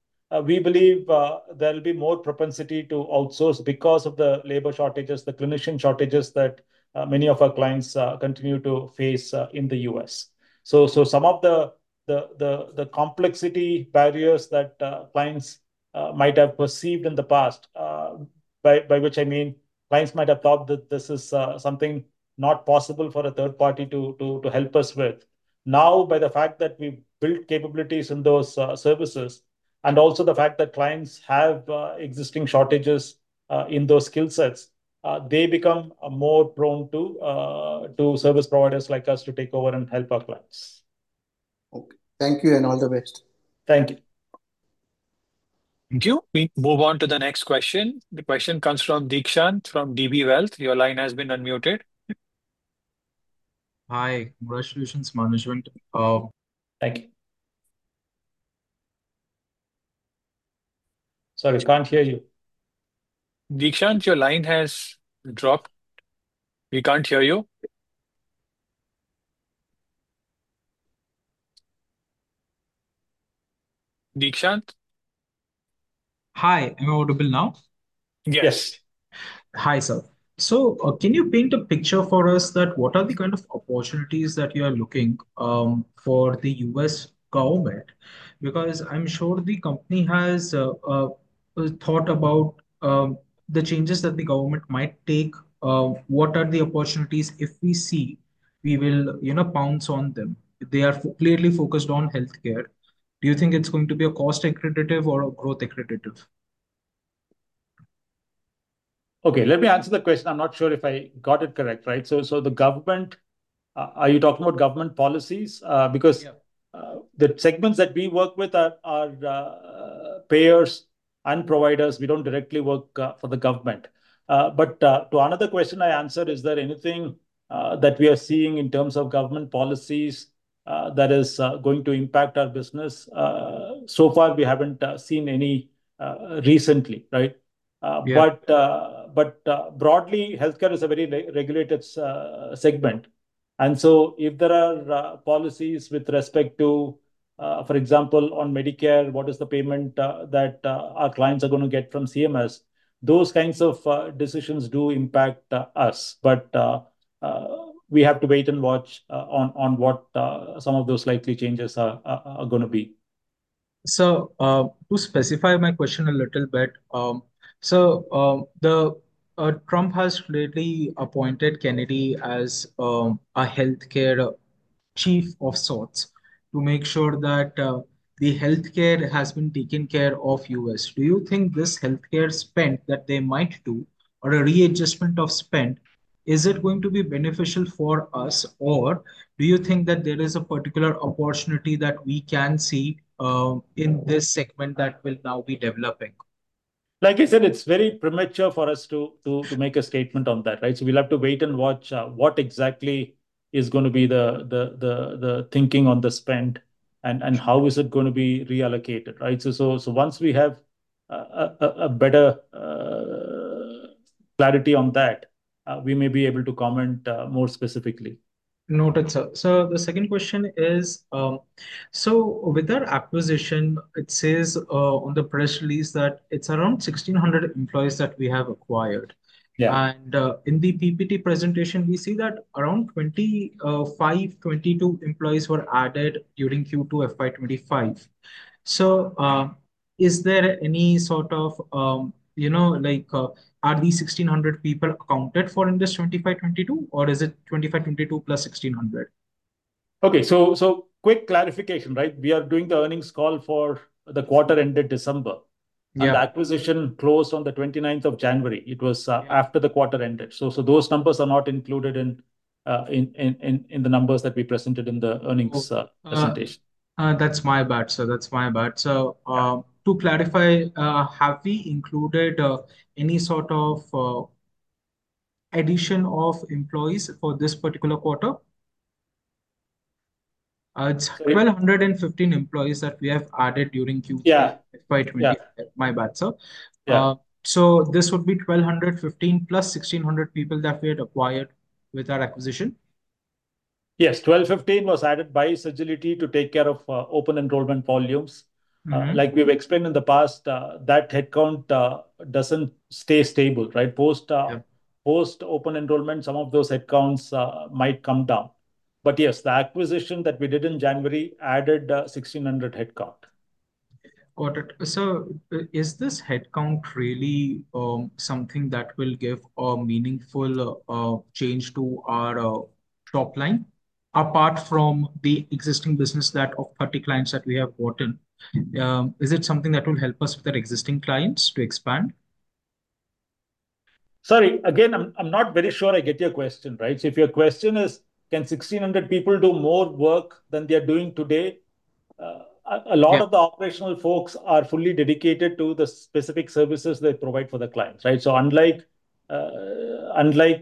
we believe there will be more propensity to outsource because of the labor shortages, the clinician shortages that many of our clients continue to face in the U.S. So some of the complexity barriers that clients might have perceived in the past, by which I mean clients might have thought that this is something not possible for a third party to help us with. Now, by the fact that we built capabilities in those services and also the fact that clients have existing shortages in those skill sets, they become more prone to service providers like us to take over and help our clients. Okay. Thank you and all the best. Thank you. Thank you. We move on to the next question. The question comes from Dikshant from DB Wealth. Your line has been unmuted. Hi. Resolutions Management. Thank you. Sorry, can't hear you. Dikshant, your line has dropped. We can't hear you. Dikshant? Hi. Am I audible now? Yes. Yes. Hi, sir. So can you paint a picture for us that what are the kind of opportunities that you are looking for the U.S. government? Because I'm sure the company has thought about the changes that the government might take. What are the opportunities if we see we will pounce on them? They are clearly focused on healthcare. Do you think it's going to be a cost-accretive or a growth-accretive? Okay. Let me answer the question. I'm not sure if I got it correct, right? So the government, are you talking about government policies? Because the segments that we work with are payers and providers. We don't directly work for the government. But to another question I answered, is there anything that we are seeing in terms of government policies that is going to impact our business? So far, we haven't seen any recently, right? But broadly, healthcare is a very regulated segment. And so if there are policies with respect to, for example, on Medicare, what is the payment that our clients are going to get from CMS? Those kinds of decisions do impact us. But we have to wait and watch on what some of those likely changes are going to be. So, to specify my question a little bit, so Trump has lately appointed Kennedy as a healthcare chief of sorts to make sure that the healthcare has been taken care of in the U.S. Do you think this healthcare spend that they might do or a readjustment of spend is going to be beneficial for us, or do you think that there is a particular opportunity that we can see in this segment that will now be developing? Like I said, it's very premature for us to make a statement on that, right? So we'll have to wait and watch what exactly is going to be the thinking on the spend and how is it going to be reallocated, right? So once we have a better clarity on that, we may be able to comment more specifically. Noted, sir. So the second question is, so with our acquisition, it says on the press release that it's around 1,600 employees that we have acquired. And in the PPT presentation, we see that around 2,522 employees were added during Q2 FY25. So is there any sort of, are these 1,600 people accounted for in this 2,522, or is it 2,522 plus 1,600? Okay, so quick clarification, right? We are doing the earnings call for the quarter ended December, and the acquisition closed on the 29th of January. It was after the quarter ended, so those numbers are not included in the numbers that we presented in the earnings presentation. That's my bad, sir. That's my bad. So to clarify, have we included any sort of addition of employees for this particular quarter? It's 1,215 employees that we have added during Q2 FY2020. My bad, sir. So this would be 1,215 plus 1,600 people that we had acquired with our acquisition? Yes. 1,215 was added by Sagility to take care of open enrollment volumes. Like we've explained in the past, that headcount doesn't stay stable, right? Post open enrollment, some of those headcounts might come down. But yes, the acquisition that we did in January added 1,600 headcount. Got it. So is this headcount really something that will give a meaningful change to our top line? Apart from the existing business that of 30 clients that we have bought in, is it something that will help us with our existing clients to expand? Sorry, again, I'm not very sure I get your question, right, so if your question is, can 1,600 people do more work than they are doing today? A lot of the operational folks are fully dedicated to the specific services they provide for the clients, right, so unlike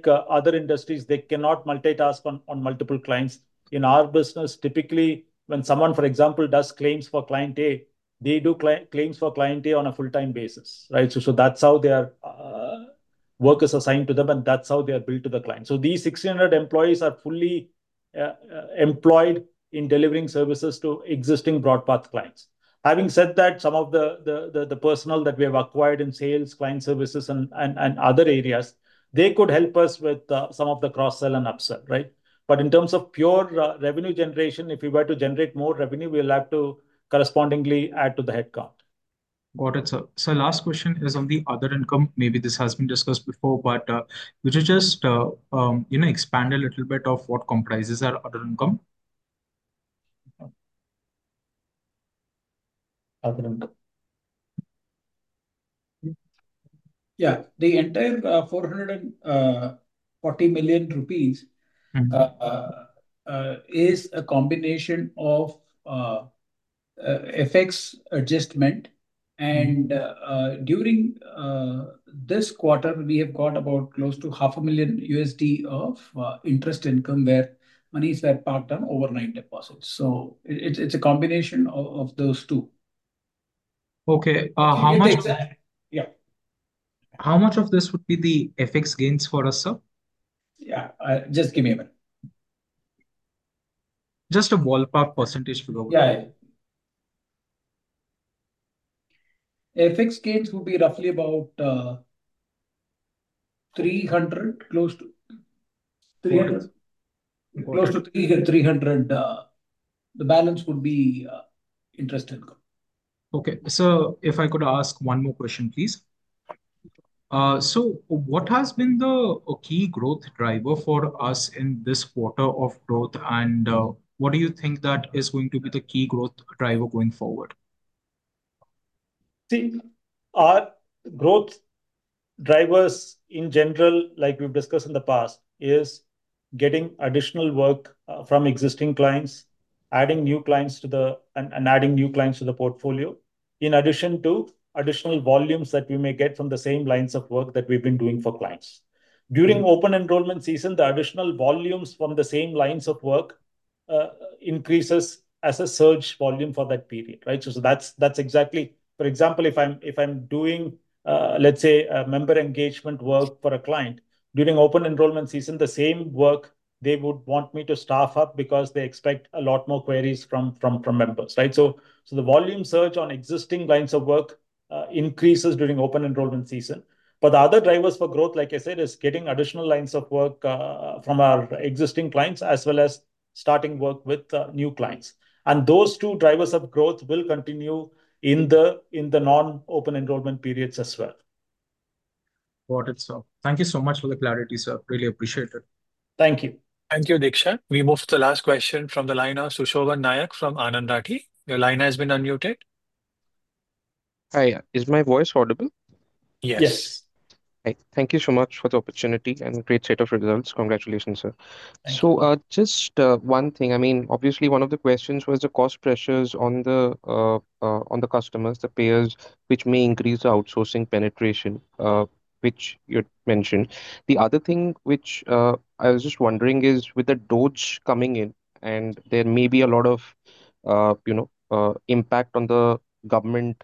other industries, they cannot multitask on multiple clients. In our business, typically, when someone, for example, does claims for client A, they do claims for client A on a full-time basis, right, so that's how their work is assigned to them, and that's how they are built to the client, so these 1,600 employees are fully employed in delivering services to existing BroadPath clients. Having said that, some of the personnel that we have acquired in sales, client services, and other areas, they could help us with some of the cross-sell and upsell, right? In terms of pure revenue generation, if we were to generate more revenue, we'll have to correspondingly add to the headcount. Got it, sir. So last question is on the other income. Maybe this has been discussed before, but would you just expand a little bit of what comprises our other income? Other income. Yeah. The entire 440 million rupees is a combination of FX adjustment. And during this quarter, we have got about close to $500,000 of interest income where monies were parked on overnight deposits. So it's a combination of those two. Okay. How much? Yeah. How much of this would be the FX gains for us, sir? Yeah. Just give me a minute. Just a ballpark percentage to go with. Yeah. FX gains would be roughly about 300, close to 300. The balance would be interest income. Okay. So if I could ask one more question, please. So what has been the key growth driver for us in this quarter of growth? And what do you think that is going to be the key growth driver going forward? See, our growth drivers in general, like we've discussed in the past, is getting additional work from existing clients, adding new clients to the portfolio in addition to additional volumes that we may get from the same lines of work that we've been doing for clients. During open enrollment season, the additional volumes from the same lines of work increases as a surge volume for that period, right? So that's exactly, for example, if I'm doing, let's say, a member engagement work for a client, during open enrollment season, the same work, they would want me to staff up because they expect a lot more queries from members, right? So the volume surge on existing lines of work increases during open enrollment season. But the other drivers for growth, like I said, is getting additional lines of work from our existing clients as well as starting work with new clients. Those two drivers of growth will continue in the non-Open Enrollment periods as well. Got it, sir. Thank you so much for the clarity, sir. Really appreciate it. Thank you. Thank you, Dikshant. We move to the last question from the line of Sushovan Nayak from Anand Rathi. Your line has been unmuted. Hi. Is my voice audible? Yes. Yes. Thank you so much for the opportunity and great set of results. Congratulations, sir. So just one thing. I mean, obviously, one of the questions was the cost pressures on the customers, the payers, which may increase the outsourcing penetration, which you had mentioned. The other thing which I was just wondering is with the DOGE coming in, and there may be a lot of impact on the government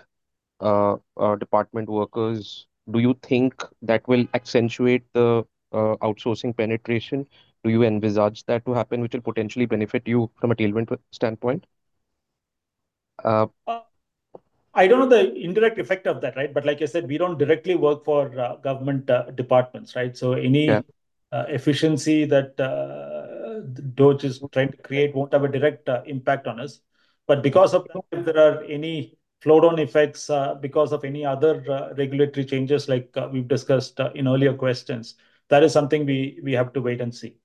department workers. Do you think that will accentuate the outsourcing penetration? Do you envisage that to happen, which will potentially benefit you from a tailwind standpoint? I don't know the indirect effect of that, right? But like I said, we don't directly work for government departments, right? So any efficiency that DOGE is trying to create won't have a direct impact on us. But because of if there are any slowdown effects because of any other regulatory changes like we've discussed in earlier questions, that is something we have to wait and see.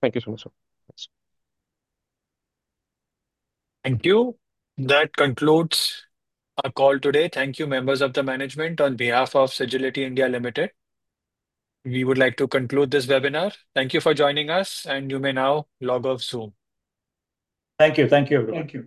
Thank you so much, sir. Thank you. That concludes our call today. Thank you, members of the management, on behalf of Sagility India Limited. We would like to conclude this webinar. Thank you for joining us, and you may now log off Zoom. Thank you. Thank you, everyone.